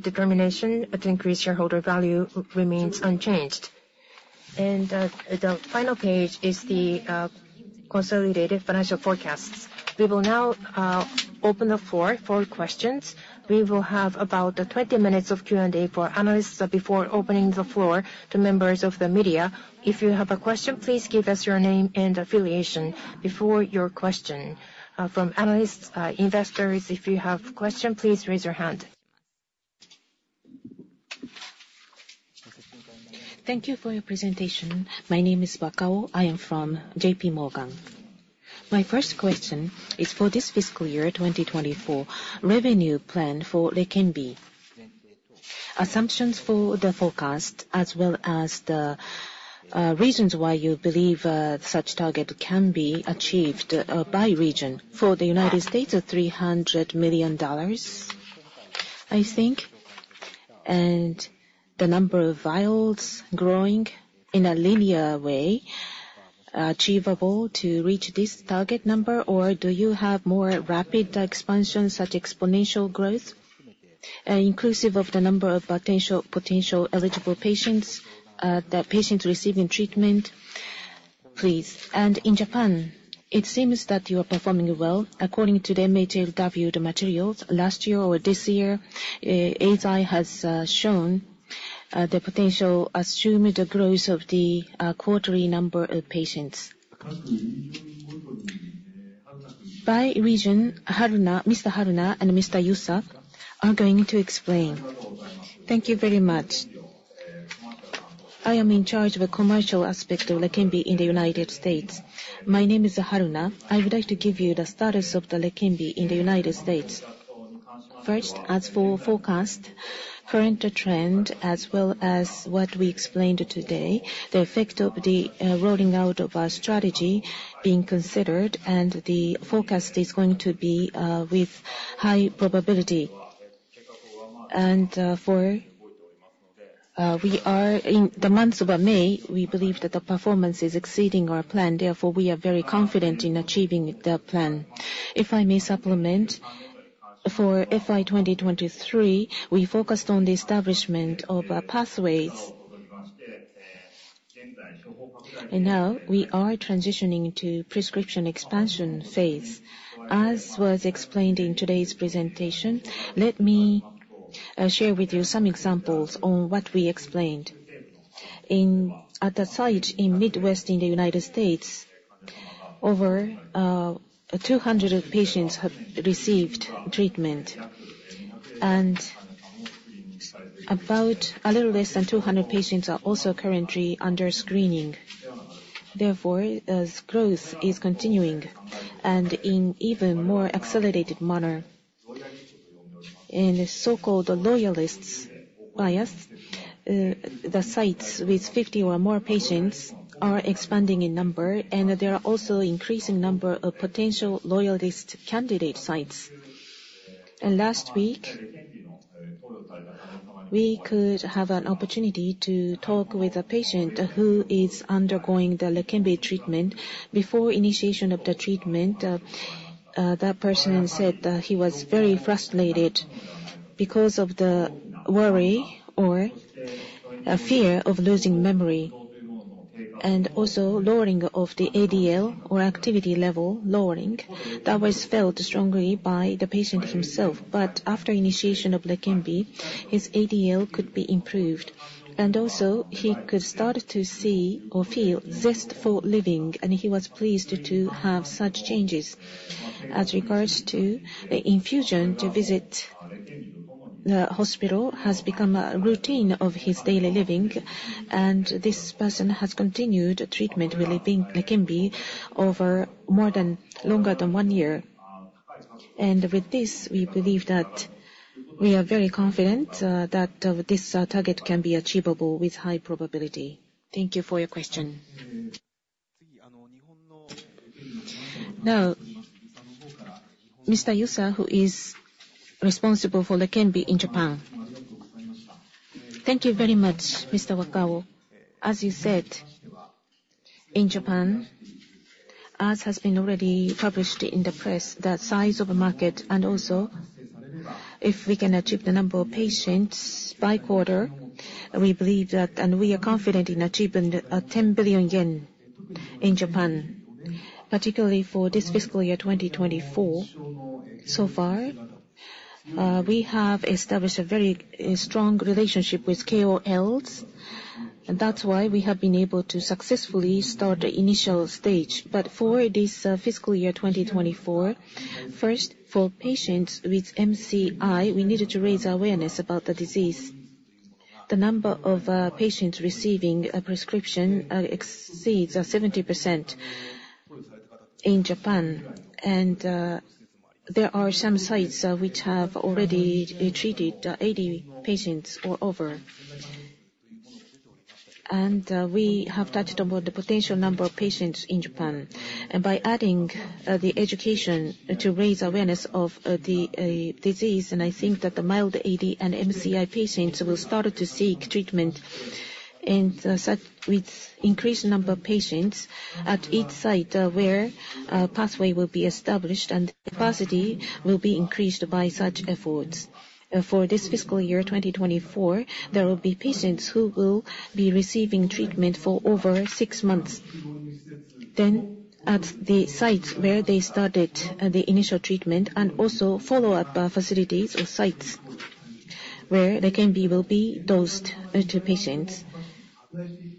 determination to increase shareholder value remains unchanged. The final page is the consolidated financial forecasts. We will now open the floor for questions. We will have about 20 minutes of Q&A for analysts before opening the floor to members of the media. If you have a question, please give us your name and affiliation before your question. From analysts, investors, if you have a question, please raise your hand. Thank you for your presentation. My name is Wakao. I am from J.P. Morgan. My first question is for this fiscal year, 2024, revenue plan for Leqembi, assumptions for the forecast, as well as the reasons why you believe such target can be achieved by region. For the United States, $300 million, I think. And the number of vials growing in a linear way, achievable to reach this target number? Or do you have more rapid expansion, such exponential growth, inclusive of the number of potential eligible patients, the patients receiving treatment? Please. And in Japan, it seems that you are performing well. According to the MHLW materials last year or this year, Eisai has shown the potential assumed growth of the quarterly number of patients. By region, Mr. Haruna and Mr. Yusa are going to explain. Thank you very much. I am in charge of the commercial aspect of Leqembi in the United States. My name is Haruna. I would like to give you the status of the Leqembi in the United States. First, as for forecast, current trend, as well as what we explained today, the effect of the rolling out of our strategy being considered. And the forecast is going to be with high probability. And for the months of May, we believe that the performance is exceeding our plan. Therefore, we are very confident in achieving the plan. If I may supplement, for FY 2023, we focused on the establishment of pathways. Now, we are transitioning to prescription expansion phase. As was explained in today's presentation, let me share with you some examples on what we explained. At the site in Midwest in the United States, over 200 patients have received treatment. About a little less than 200 patients are also currently under screening. Therefore, growth is continuing and in an even more accelerated manner. In the so-called Loyalist base, the sites with 50 or more patients are expanding in number. There are also an increasing number of potential loyalist candidate sites. Last week, we could have an opportunity to talk with a patient who is undergoing the Leqembi treatment. Before initiation of the treatment, that person said that he was very frustrated because of the worry or fear of losing memory and also lowering of the ADL or activity level, lowering. That was felt strongly by the patient himself. But after initiation of Leqembi, his ADL could be improved. And also, he could start to see or feel zest for living. And he was pleased to have such changes. As regards to the infusion, to visit the hospital has become a routine of his daily living. And this person has continued treatment with Leqembi for longer than one year. And with this, we believe that we are very confident that this target can be achievable with high probability. Thank you for your question. Now, Mr. Yusa, who is responsible for Leqembi in Japan, thank you very much, Mr. Wakao. As you said, in Japan, as has been already published in the press, the size of the market. Also, if we can achieve the number of patients by quarter, we believe that and we are confident in achieving 10 billion yen in Japan, particularly for this fiscal year, 2024. So far, we have established a very strong relationship with KOLs. And that's why we have been able to successfully start the initial stage. But for this fiscal year, 2024, first, for patients with MCI, we needed to raise awareness about the disease. The number of patients receiving a prescription exceeds 70% in Japan. And there are some sites which have already treated 80 patients or over. And we have touched on the potential number of patients in Japan. And by adding the education to raise awareness of the disease, and I think that the mild AD and MCI patients will start to seek treatment. With increased number of patients at each site where a pathway will be established and capacity will be increased by such efforts. For this fiscal year, 2024, there will be patients who will be receiving treatment for over six months, then at the sites where they started the initial treatment and also follow-up facilities or sites where Leqembi will be dosed to patients.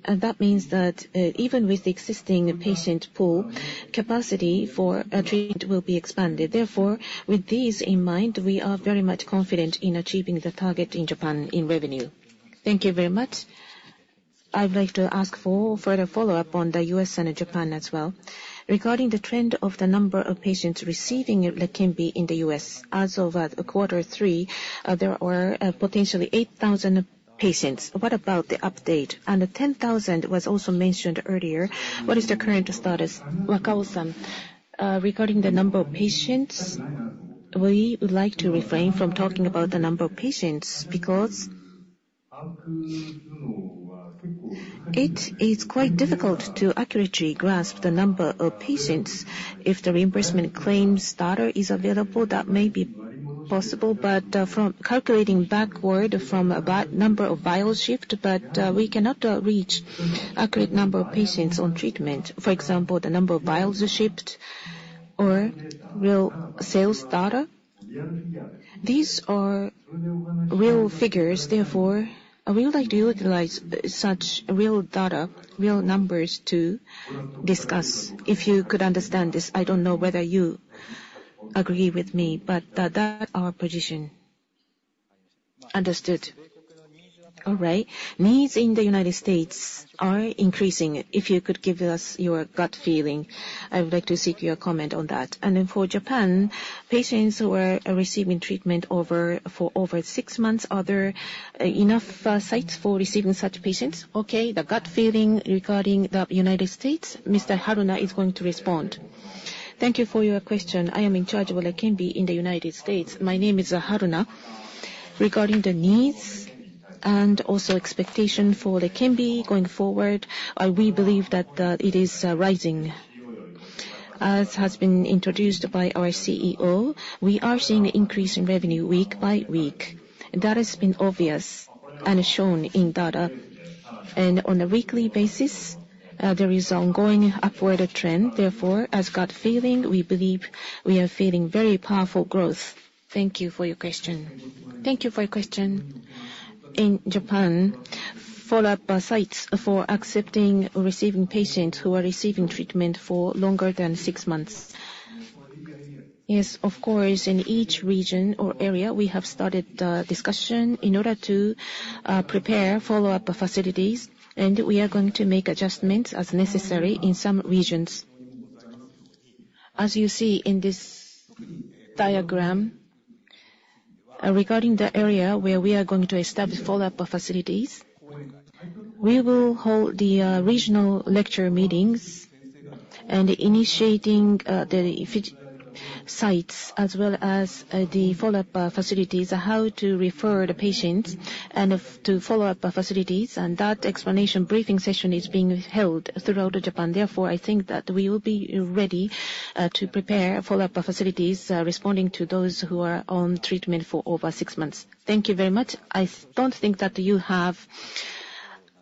That means that even with the existing patient pool, capacity for treatment will be expanded. Therefore, with these in mind, we are very much confident in achieving the target in Japan in revenue. Thank you very much. I would like to ask for further follow-up on the US and Japan as well regarding the trend of the number of patients receiving Leqembi in the US. As of quarter three, there are potentially 8,000 patients. What about the update? The 10,000 was also mentioned earlier. What is the current status, Wakao-san, regarding the number of patients? We would like to refrain from talking about the number of patients because it is quite difficult to accurately grasp the number of patients. If the reimbursement claims starter is available, that may be possible. But calculating backward from the number of vials shipped, we cannot reach an accurate number of patients on treatment. For example, the number of vials shipped or real sales starter, these are real figures. Therefore, we would like to utilize such real data, real numbers to discuss. If you could understand this, I don't know whether you agree with me. But that's our position. Understood. All right. Needs in the United States are increasing. If you could give us your gut feeling, I would like to seek your comment on that. Then for Japan, patients who are receiving treatment for over six months, are there enough sites for receiving such patients? Okay. The gut feeling regarding the United States, Mr. Haruna is going to respond. Thank you for your question. I am in charge of Leqembi in the United States. My name is Haruna. Regarding the needs and also expectation for Leqembi going forward, we believe that it is rising. As has been introduced by our CEO, we are seeing an increase in revenue week by week. That has been obvious and shown in data. And on a weekly basis, there is an ongoing upward trend. Therefore, as gut feeling, we believe we are feeling very powerful growth. Thank you for your question. Thank you for your question. In Japan, follow-up sites for accepting receiving patients who are receiving treatment for longer than six months? Yes, of course. In each region or area, we have started the discussion in order to prepare follow-up facilities. We are going to make adjustments as necessary in some regions. As you see in this diagram, regarding the area where we are going to establish follow-up facilities, we will hold the regional lecture meetings. Initiating the sites as well as the follow-up facilities, how to refer the patients and to follow-up facilities. That explanation briefing session is being held throughout Japan. Therefore, I think that we will be ready to prepare follow-up facilities responding to those who are on treatment for over six months. Thank you very much. I don't think that you have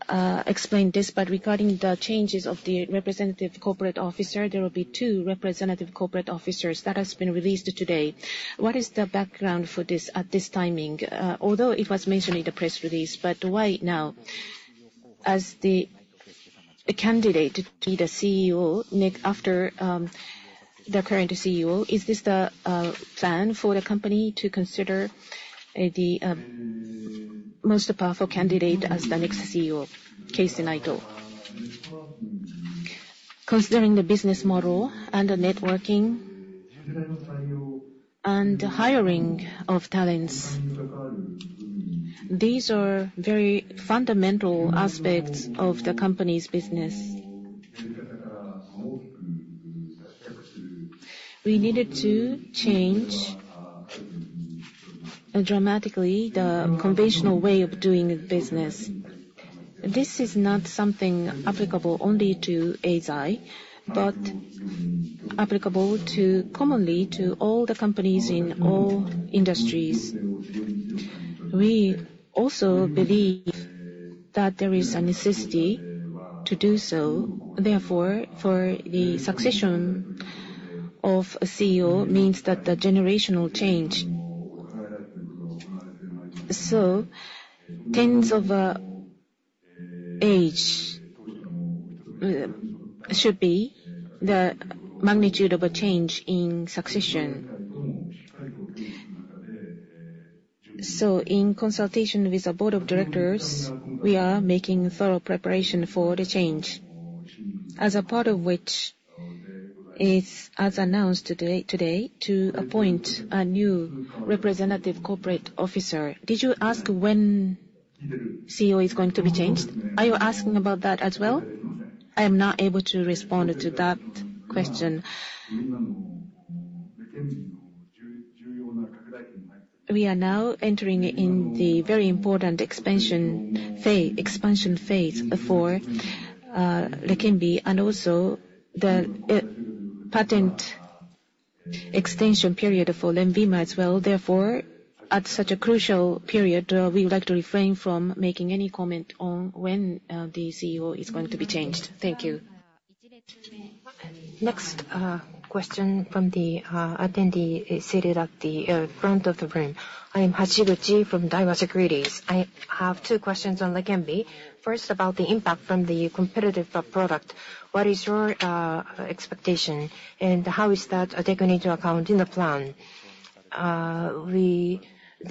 explained this. Regarding the changes of the Representative Corporate Officer, there will be two Representative Corporate Officers. That has been released today. What is the background for this at this timing? Although it was mentioned in the press release, but why now? As the candidate to be the CEO, after the current CEO, is this the plan for the company to consider the most powerful candidate as the next CEO, Keisuke Naito, considering the business model and the networking and the hiring of talents? These are very fundamental aspects of the company's business. We needed to change dramatically the conventional way of doing business. This is not something applicable only to Eisai, but applicable commonly to all the companies in all industries. We also believe that there is a necessity to do so. Therefore, for the succession of a CEO means that the generational change. So tens of age should be the magnitude of a change in succession. So in consultation with the board of directors, we are making thorough preparation for the change, as a part of which it's as announced today to appoint a new representative corporate officer. Did you ask when the CEO is going to be changed? Are you asking about that as well? I am not able to respond to that question. We are now entering in the very important expansion phase for Leqembi and also the patent extension period for Lenvima as well. Therefore, at such a crucial period, we would like to refrain from making any comment on when the CEO is going to be changed. Thank you. Next question from the attendee is seated at the front of the room. I am Hashiguchi from Daiwa Securities. I have two questions on Leqembi. First, about the impact from the competitive product. What is your expectation? How is that taken into account in the plan?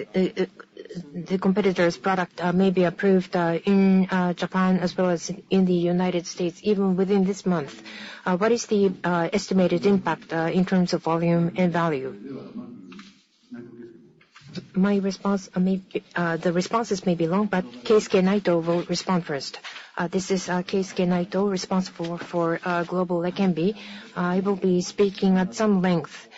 The competitor's product may be approved in Japan as well as in the United States, even within this month. What is the estimated impact in terms of volume and value? The responses may be long, but Keisuke Naito will respond first. This is Keisuke Naito, responsible for global Leqembi. He will be speaking at some length.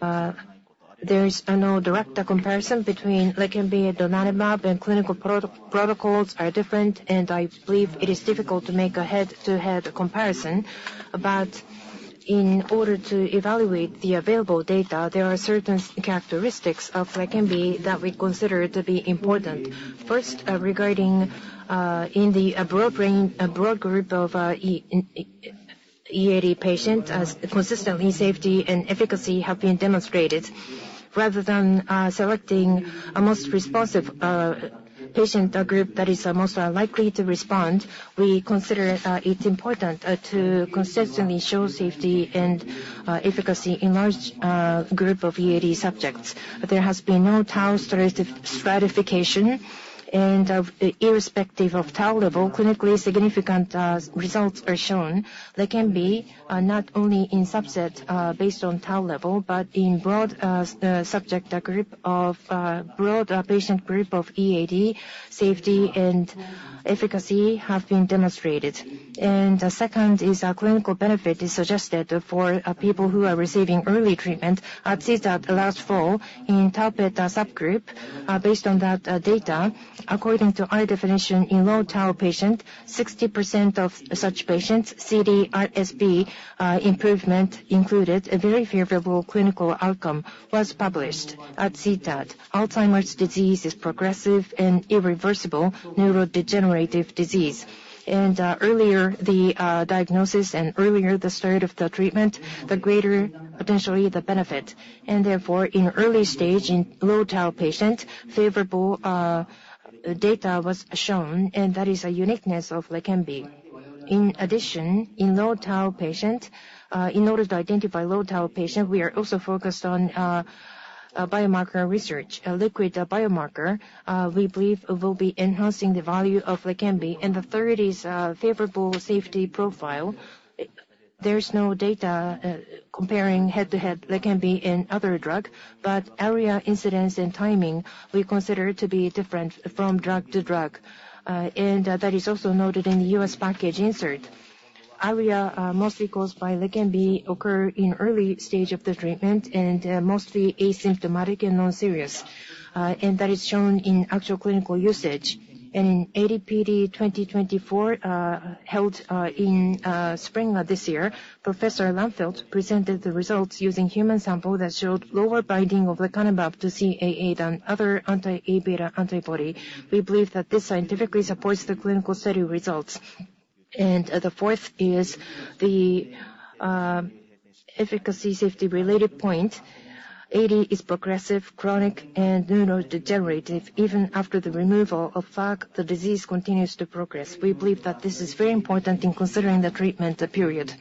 There is no direct comparison between Leqembi and Donanemab. Clinical protocols are different. I believe it is difficult to make a head-to-head comparison. But in order to evaluate the available data, there are certain characteristics of Leqembi that we consider to be important. First, regarding in the broad group of EAD patients, consistently, safety and efficacy have been demonstrated. Rather than selecting a most responsive patient group that is most likely to respond, we consider it important to consistently show safety and efficacy in large groups of EAD subjects. There has been no tau stratification. Irrespective of tau level, clinically significant results are shown. Leqembi, not only in subset based on tau level, but in broad subject group of broad patient group of EAD, safety and efficacy have been demonstrated. The second is a clinical benefit is suggested for people who are receiving early treatment. We saw that last fall in Tau PET subgroup. Based on that data, according to our definition in low tau patient, 60% of such patients, CDRSB improvement included, a very favorable clinical outcome was published. We see that Alzheimer's disease is progressive and irreversible neurodegenerative disease. Earlier the diagnosis and earlier the start of the treatment, the greater potentially the benefit. And therefore, in early stage in low tau patient, favorable data was shown. And that is a uniqueness of Leqembi. In addition, in low tau patient, in order to identify low tau patient, we are also focused on biomarker research, a liquid biomarker. We believe it will be enhancing the value of Leqembi. And the third is a favorable safety profile. There's no data comparing head-to-head Leqembi and other drug. But ARIA incidence and timing, we consider to be different from drug to drug. And that is also noted in the U.S. package insert. ARIA mostly caused by Leqembi occur in early stage of the treatment and mostly asymptomatic and non-serious. And that is shown in actual clinical usage. And in ADPD 2024 held in spring this year, Professor Lars Lannfelt presented the results using human sample that showed lower binding of lecanemab to CAA than other anti-amyloid beta antibody. We believe that this scientifically supports the clinical study results. The fourth is the efficacy safety-related point. AD is progressive, chronic, and neurodegenerative. Even after the removal of Aβ, the disease continues to progress. We believe that this is very important in considering the treatment period.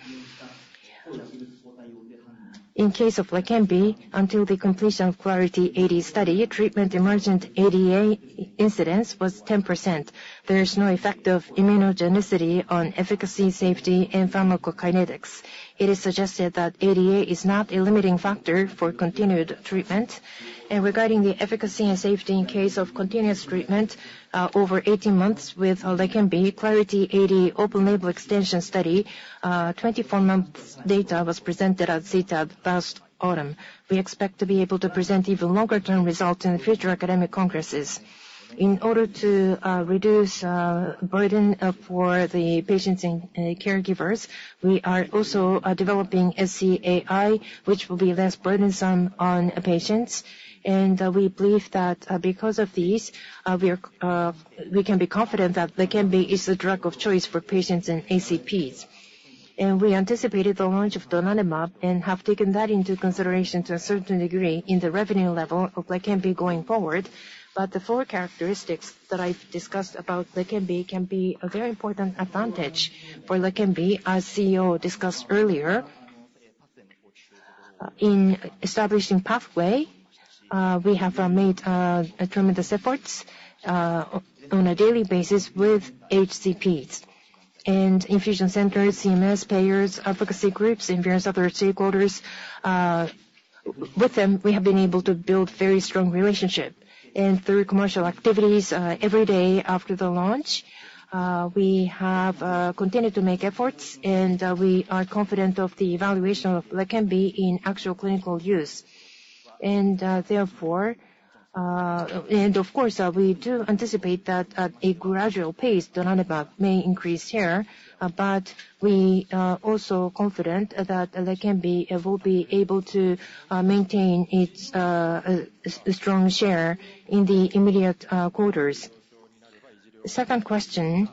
In case of Leqembi, until the completion of Clarity AD study, treatment emergent ADA incidence was 10%. There is no effective immunogenicity on efficacy, safety, and pharmacokinetics. It is suggested that ADA is not a limiting factor for continued treatment. Regarding the efficacy and safety in case of continuous treatment over 18 months with Leqembi, Clarity AD open-label extension study, 24-month data was presented at CTAD last autumn. We expect to be able to present even longer-term results in future academic congresses. In order to reduce burden for the patients and caregivers, we are also developing SC-AI, which will be less burdensome on patients. We believe that because of these, we can be confident that Leqembi is the drug of choice for patients and HCPs. We anticipated the launch of Donanemab and have taken that into consideration to a certain degree in the revenue level of Leqembi going forward. The four characteristics that I've discussed about Leqembi can be a very important advantage for Leqembi, as CEO discussed earlier. In establishing pathway, we have made tremendous efforts on a daily basis with HCPs and infusion centers, CMS payers, advocacy groups, and various other stakeholders. With them, we have been able to build very strong relationships. Through commercial activities every day after the launch, we have continued to make efforts. We are confident of the evaluation of Leqembi in actual clinical use. And of course, we do anticipate that at a gradual pace, Donanemab may increase share. But we are also confident that Leqembi will be able to maintain its strong share in the immediate quarters. Second question,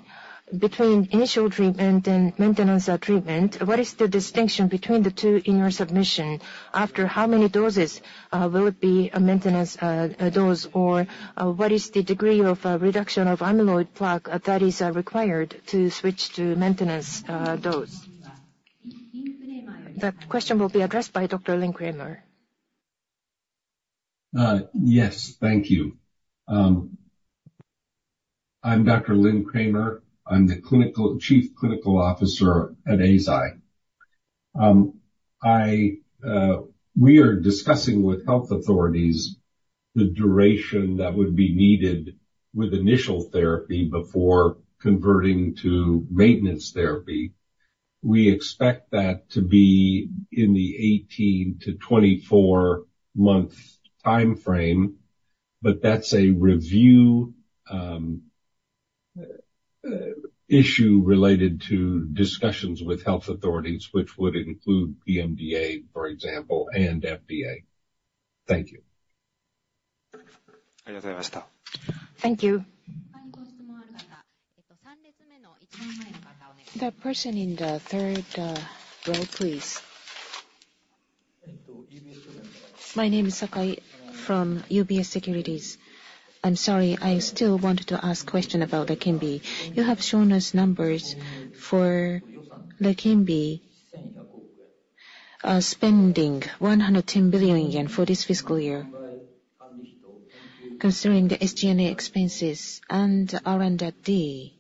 between initial treatment and maintenance treatment, what is the distinction between the two in your submission? After how many doses will it be a maintenance dose? Or what is the degree of reduction of amyloid plaque that is required to switch to maintenance dose? That question will be addressed by Dr. Lynn Kramer. Yes. Thank you. I'm Dr. Lynn Kramer. I'm the Chief Clinical Officer at Eisai. We are discussing with health authorities the duration that would be needed with initial therapy before converting to maintenance therapy. We expect that to be in the 18-24-month time frame. But that's a review issue related to discussions with health authorities, which would include PMDA, for example, and FDA. Thank you. Thank you. はい、ご質問ある方、3列目の1番前の方お願いします。The person in the third row, please. My name is Sakai from UBS Securities. I'm sorry. I still wanted to ask a question about Leqembi. You have shown us numbers for Leqembi spending 110 billion yen for this fiscal year, considering the SG&A expenses and R&D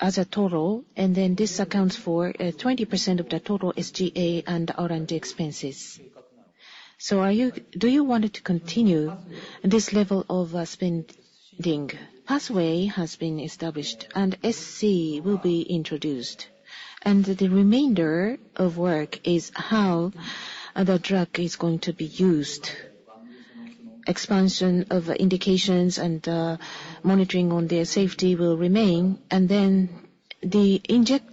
as a total. And then this accounts for 20% of the total SG&A and R&D expenses. So do you want to continue this level of spending? Pathway has been established, and SC will be introduced. And the remainder of work is how the drug is going to be used. Expansion of indications and monitoring on their safety will remain. And then the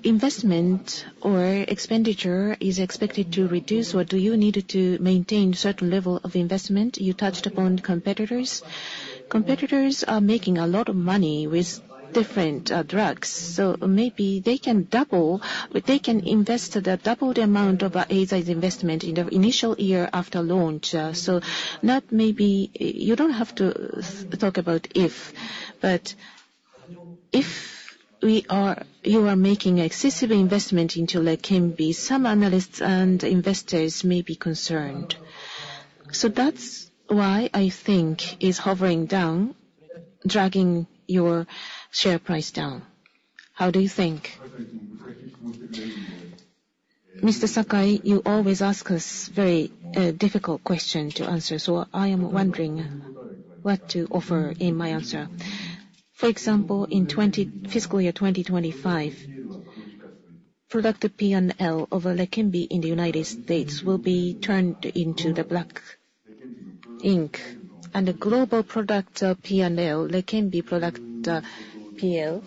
investment or expenditure is expected to reduce. Or do you need to maintain a certain level of investment? You touched upon competitors. Competitors are making a lot of money with different drugs. So maybe they can double, but they can invest double the amount of Eisai's investment in the initial year after launch. So maybe you don't have to talk about if. But if you are making excessive investment into Leqembi, some analysts and investors may be concerned. So that's why I think it's hovering down, dragging your share price down. How do you think? Mr. Sakai, you always ask us a very difficult question to answer. So I am wondering what to offer in my answer. For example, in fiscal year 2025, product P&L of Leqembi in the United States will be turned into the black ink. The global product P&L, Leqembi product P/L,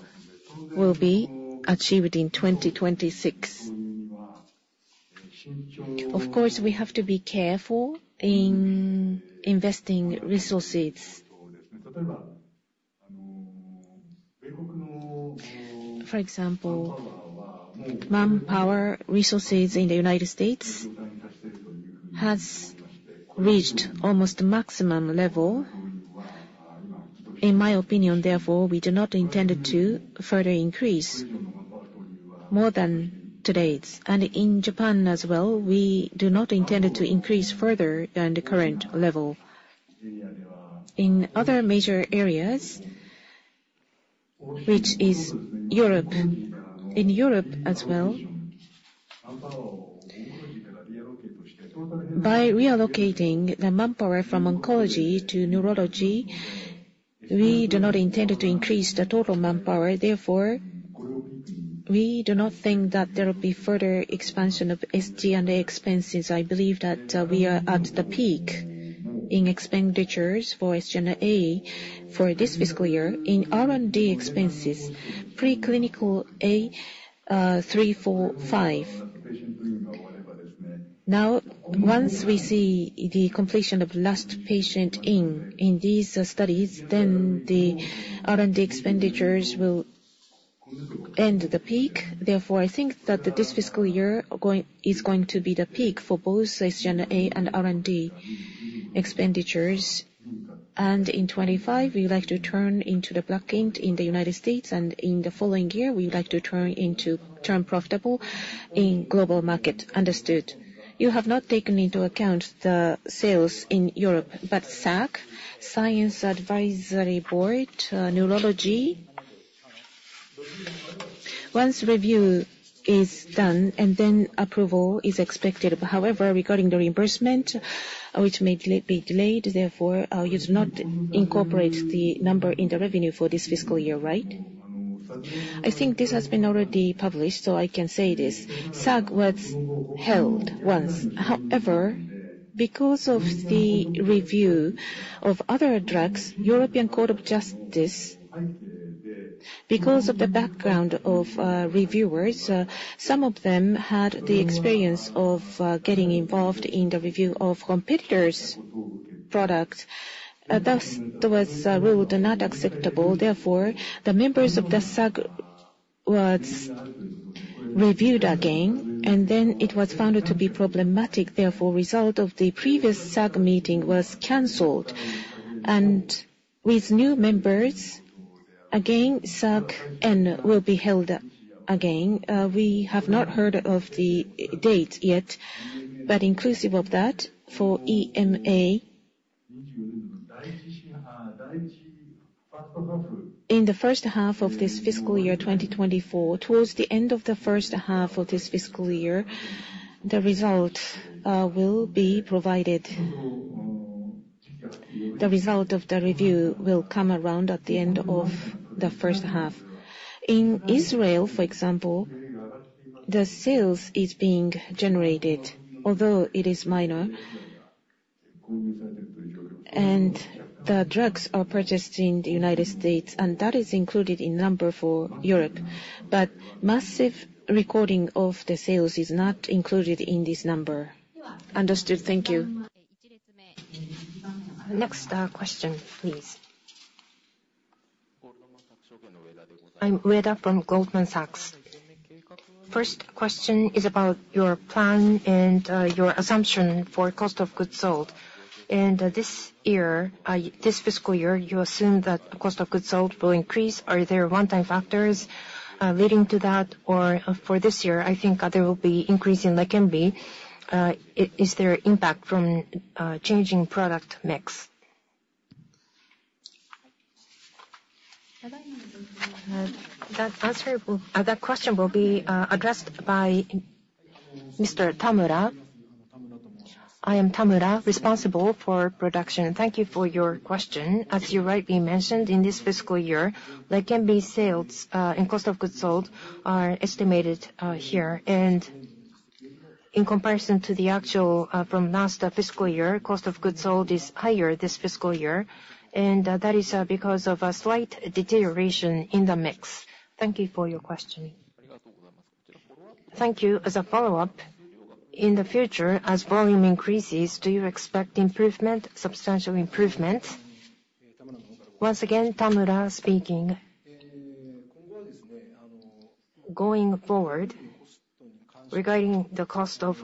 will be achieved in 2026. Of course, we have to be careful in investing resources. For example, manpower resources in the United States has reached almost maximum level. In my opinion, therefore, we do not intend to further increase more than today's. And in Japan as well, we do not intend to increase further than the current level. In other major areas, which is Europe, in Europe as well, by relocating the manpower from oncology to neurology, we do not intend to increase the total manpower. Therefore, we do not think that there will be further expansion of SG&A expenses. I believe that we are at the peak in expenditures for SG&A for this fiscal year. In R&D expenses, preclinical AHEAD 3-45. Now, once we see the completion of last patient in in these studies, then the R&D expenditures will end the peak. Therefore, I think that this fiscal year is going to be the peak for both SG&A and R&D expenditures. In 2025, we would like to turn into the black ink in the United States. In the following year, we would like to turn profitable in global market. Understood. You have not taken into account the sales in Europe. But SAG, Science Advisory Board, Neurology, once review is done, and then approval is expected. However, regarding the reimbursement, which may be delayed, therefore, you do not incorporate the number in the revenue for this fiscal year, right? I think this has been already published, so I can say this. SAG was held once. However, because of the review of other drugs, European Court of Justice, because of the background of reviewers, some of them had the experience of getting involved in the review of competitors' products. Thus, there was a rule not acceptable. Therefore, the members of the SAG were reviewed again. Then it was found to be problematic. Therefore, the result of the previous SAG meeting was canceled. With new members, again, SAG-N will be held again. We have not heard of the date yet. Inclusive of that, for EMA, in the first half of this fiscal year 2024, towards the end of the first half of this fiscal year, the result will be provided. The result of the review will come around at the end of the first half. In Israel, for example, the sales are being generated, although it is minor. The drugs are purchased in the United States. That is included in number for Europe. Massive recording of the sales is not included in this number. Understood. Thank you. Next question, please. First question is about your plan and your assumption for cost of goods sold. This year, this fiscal year, you assume that cost of goods sold will increase. Are there one-time factors leading to that? Or for this year, I think there will be an increase in Leqembi. Is there an impact from changing product mix? That question will be addressed by Mr. Tamura. I am Tamura, responsible for production. Thank you for your question. As you rightly mentioned, in this fiscal year, Leqembi sales and cost of goods sold are estimated here. And in comparison to the actual from last fiscal year, cost of goods sold is higher this fiscal year. And that is because of a slight deterioration in the mix. Thank you for your question. Thank you. As a follow-up, in the future, as volume increases, do you expect substantial improvement? Once again, Tamura speaking. Going forward, regarding the cost of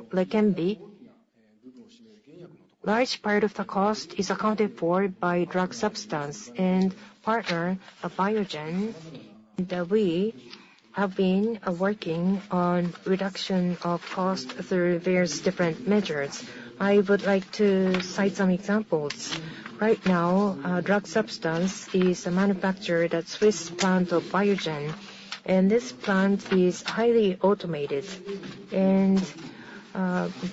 Leqembi, large part of the cost is accounted for by drug substance and partner Biogen. We have been working on reduction of cost through various different measures. I would like to cite some examples. Right now, drug substance is a manufacturer that switched plant of Biogen. This plant is highly automated.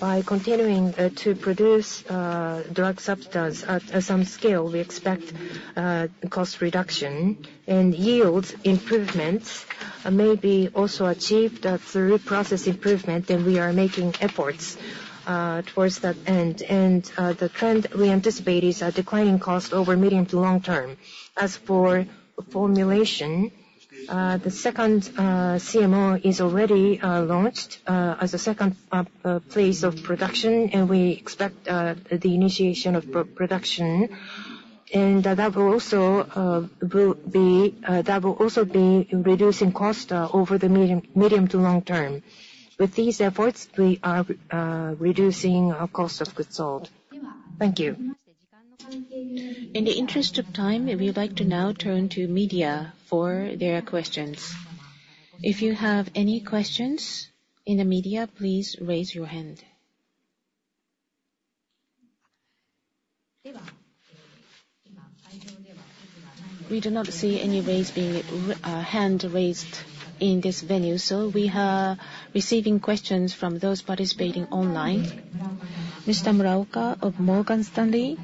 By continuing to produce drug substance at some scale, we expect cost reduction. Yield improvements may be also achieved through process improvement. We are making efforts towards that end. The trend we anticipate is a declining cost over medium to long term. As for formulation, the second CMO is already launched as a second place of production. We expect the initiation of production. That will also be reducing cost over the medium to long term. With these efforts, we are reducing cost of goods sold. Thank you. In the interest of time, we would like to now turn to media for their questions. If you have any questions in the media, please raise your hand. We do not see any hand raised in this venue. So we are receiving questions from those participating online. Mr. Muraoka of Morgan Stanley,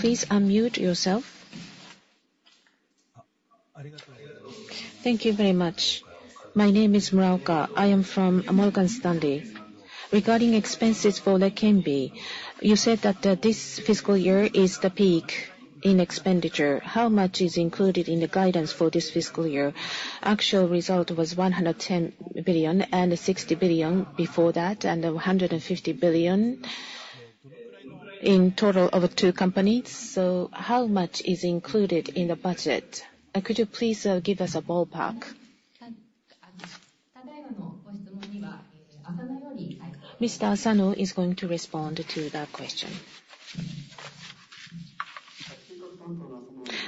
please unmute yourself. Thank you very much. My name is Muraoka. I am from Morgan Stanley. Regarding expenses for Leqembi, you said that this fiscal year is the peak in expenditure. How much is included in the guidance for this fiscal year? Actual result was 110 billion and 60 billion before that and 150 billion in total of two companies. So how much is included in the budget? Could you please give us a ballpark? Mr. Yasuno is going to respond to that question.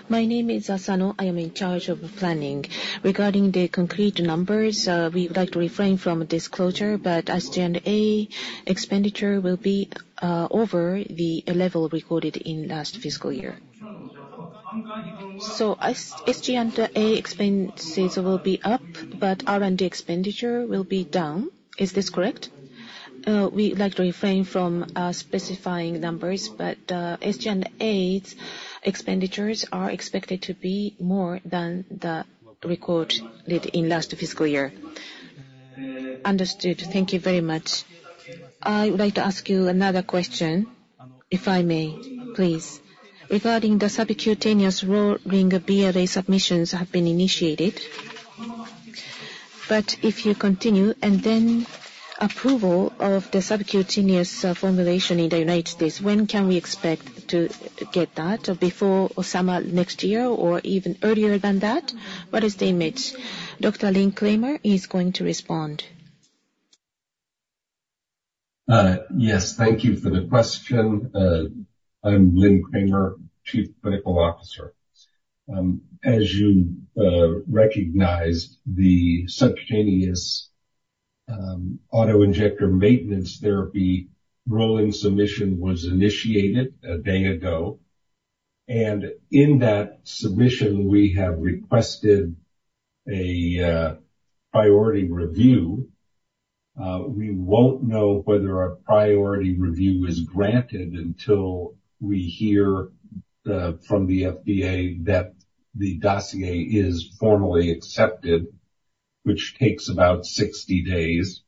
My name is Yasuno. I am in charge of planning. Regarding the concrete numbers, we would like to refrain from disclosure. But SG&A expenditure will be over the level recorded in last fiscal year. So SG&A expenses will be up, but R&D expenditure will be down. Is this correct? We would like to refrain from specifying numbers. But SG&A's expenditures are expected to be more than the recorded in last fiscal year. Understood. Thank you very much. I would like to ask you another question, if I may, please. Regarding the subcutaneous rolling BLA submissions have been initiated. But if you continue and then approval of the subcutaneous formulation in the United States, when can we expect to get that? Before summer next year or even earlier than that? What is the image? Dr. Lynn Kramer is going to respond. Yes. Thank you for the question. I'm Lynn Kramer, Chief Clinical Officer. As you recognized, the subcutaneous autoinjector maintenance therapy rolling submission was initiated a day ago. In that submission, we have requested a priority review. We won't know whether a priority review is granted until we hear from the FDA that the dossier is formally accepted, which takes about 60 days.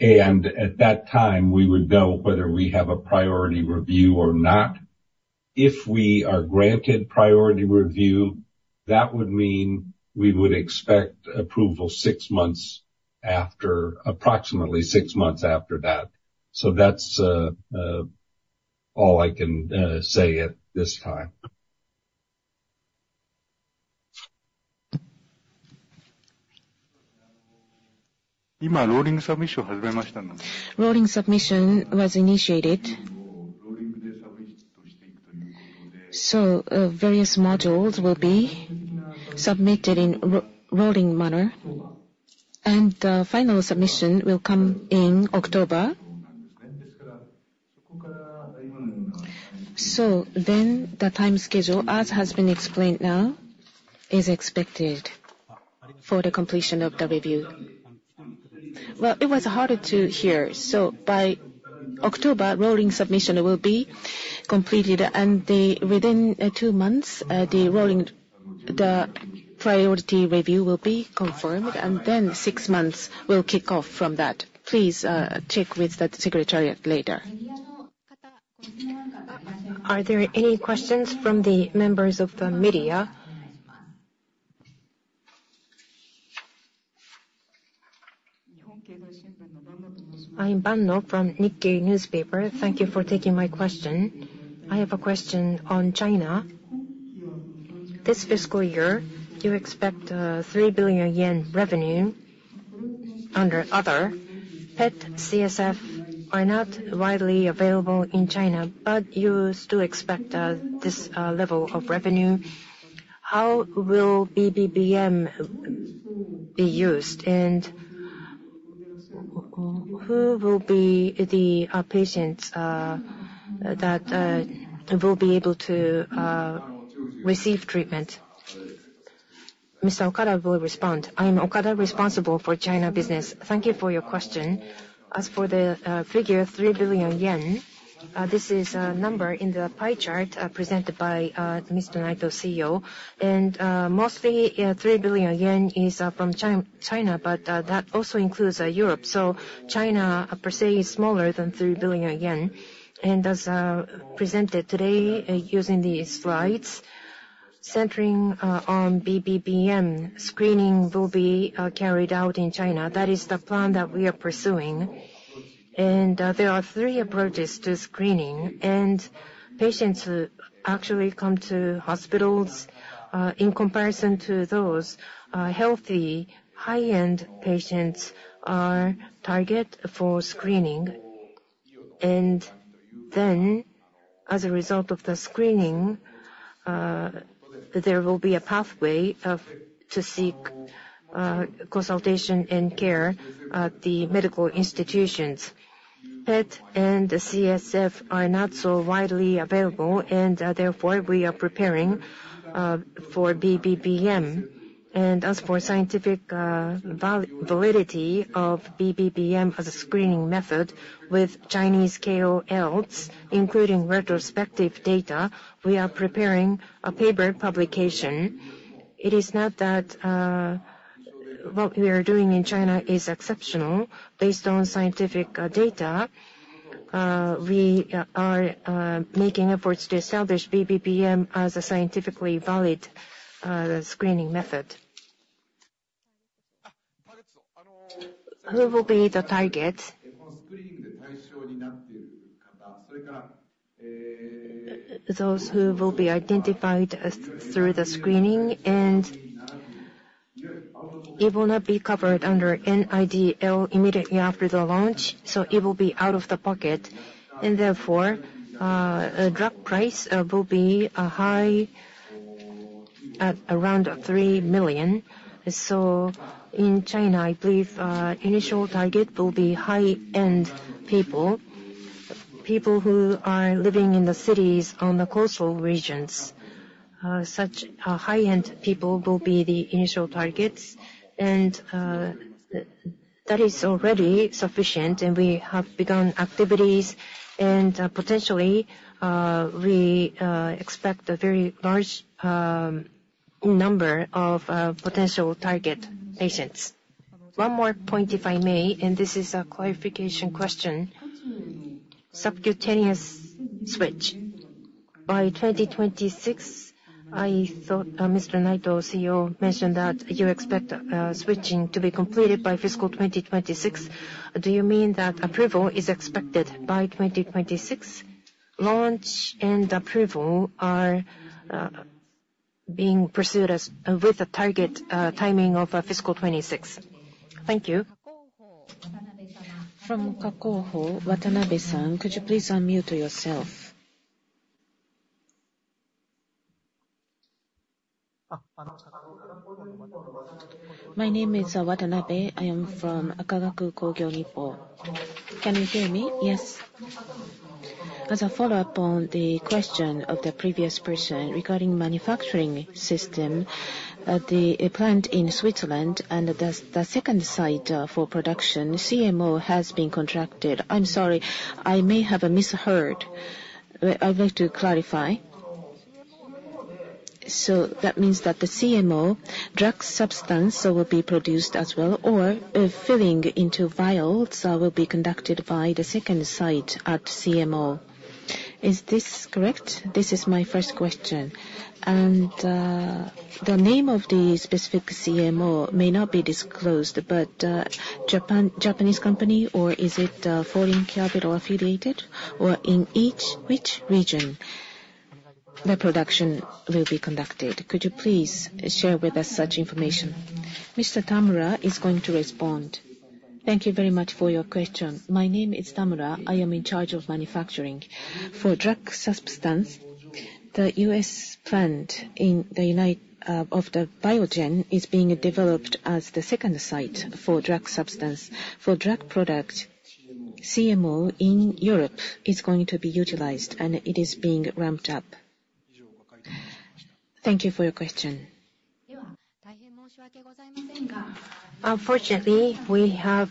At that time, we would know whether we have a priority review or not. If we are granted priority review, that would mean we would expect approval approximately 6 months after that. That's all I can say at this time. Various modules will be submitted in rolling manner. The final submission will come in October. Then the time schedule, as has been explained now, is expected for the completion of the review. Well, it was harder to hear. By October, rolling submission will be completed. Within two months, the priority review will be confirmed. Then six months will kick off from that. Please check with the secretariat later. Are there any questions from the members of the media? I'm Banno from Nikkei Newspaper. Thank you for taking my question. I have a question on China. This fiscal year, do you expect 3 billion yen revenue? Under other, PET, CSF are not widely available in China. But you still expect this level of revenue. How will BBBM be used? And who will be the patients that will be able to receive treatment? Mr. Okada will respond. I'm Okada, responsible for China business. Thank you for your question. As for the figure, 3 billion yen, this is a number in the pie chart presented by Mr. Naito, CEO. Mostly, 3 billion yen is from China. That also includes Europe. So China, per se, is smaller than 3 billion yen. As presented today using these slides, centering on BBBM screening will be carried out in China. That is the plan that we are pursuing. There are three approaches to screening. Patients who actually come to hospitals, in comparison to those healthy, high-end patients, are targets for screening. Then, as a result of the screening, there will be a pathway to seek consultation and care at the medical institutions. PET and CSF are not so widely available. Therefore, we are preparing for BBBM. As for scientific validity of BBBM as a screening method with Chinese KOLs, including retrospective data, we are preparing a paper publication. It is not that what we are doing in China is exceptional. Based on scientific data, we are making efforts to establish BBBM as a scientifically valid screening method. Who will be the target? It will not be covered under NRDL immediately after the launch. So it will be out of the pocket. And therefore, drug price will be high at around 3 million. So in China, I believe the initial target will be high-end people, people who are living in the cities on the coastal regions. Such high-end people will be the initial targets. And that is already sufficient. And we have begun activities. And potentially, we expect a very large number of potential target patients. One more point, if I may. And this is a clarification question. Subcutaneous switch. By 2026, I thought Mr. Naito, CEO, mentioned that you expect switching to be completed by fiscal 2026. Do you mean that approval is expected by 2026? Launch and approval are being pursued with a target timing of fiscal 2026. Thank you. Kagaku Kogyo Nippo Watanabe-san, could you please unmute yourself? My name is Watanabe. I am from Kagaku Kogyo Nippo. Can you hear me? Yes. As a follow-up on the question of the previous person regarding manufacturing system, the plant in Switzerland and the second site for production, CMO has been contracted. I'm sorry. I may have misheard. I would like to clarify. So that means that the CMO, drug substance, will be produced as well. Or filling into vials will be conducted by the second site at CMO. Is this correct? This is my first question. And the name of the specific CMO may not be disclosed. But Japanese company? Or is it foreign capital affiliated? Or in each region, the production will be conducted? Could you please share with us such information? Mr. Tamura is going to respond. Thank you very much for your question. My name is Tamura. I am in charge of manufacturing. For drug substance, the U.S. plant of Biogen is being developed as the second site for drug substance. For drug product, CMO in Europe is going to be utilized. And it is being ramped up. Thank you for your question. Unfortunately, we have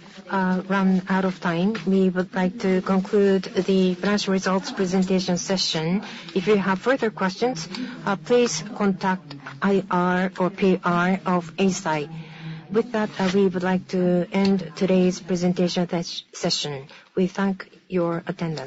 run out of time. We would like to conclude the financial results presentation session. If you have further questions, please contact IR or PR of Eisai. With that, we would like to end today's presentation session. We thank your attendance.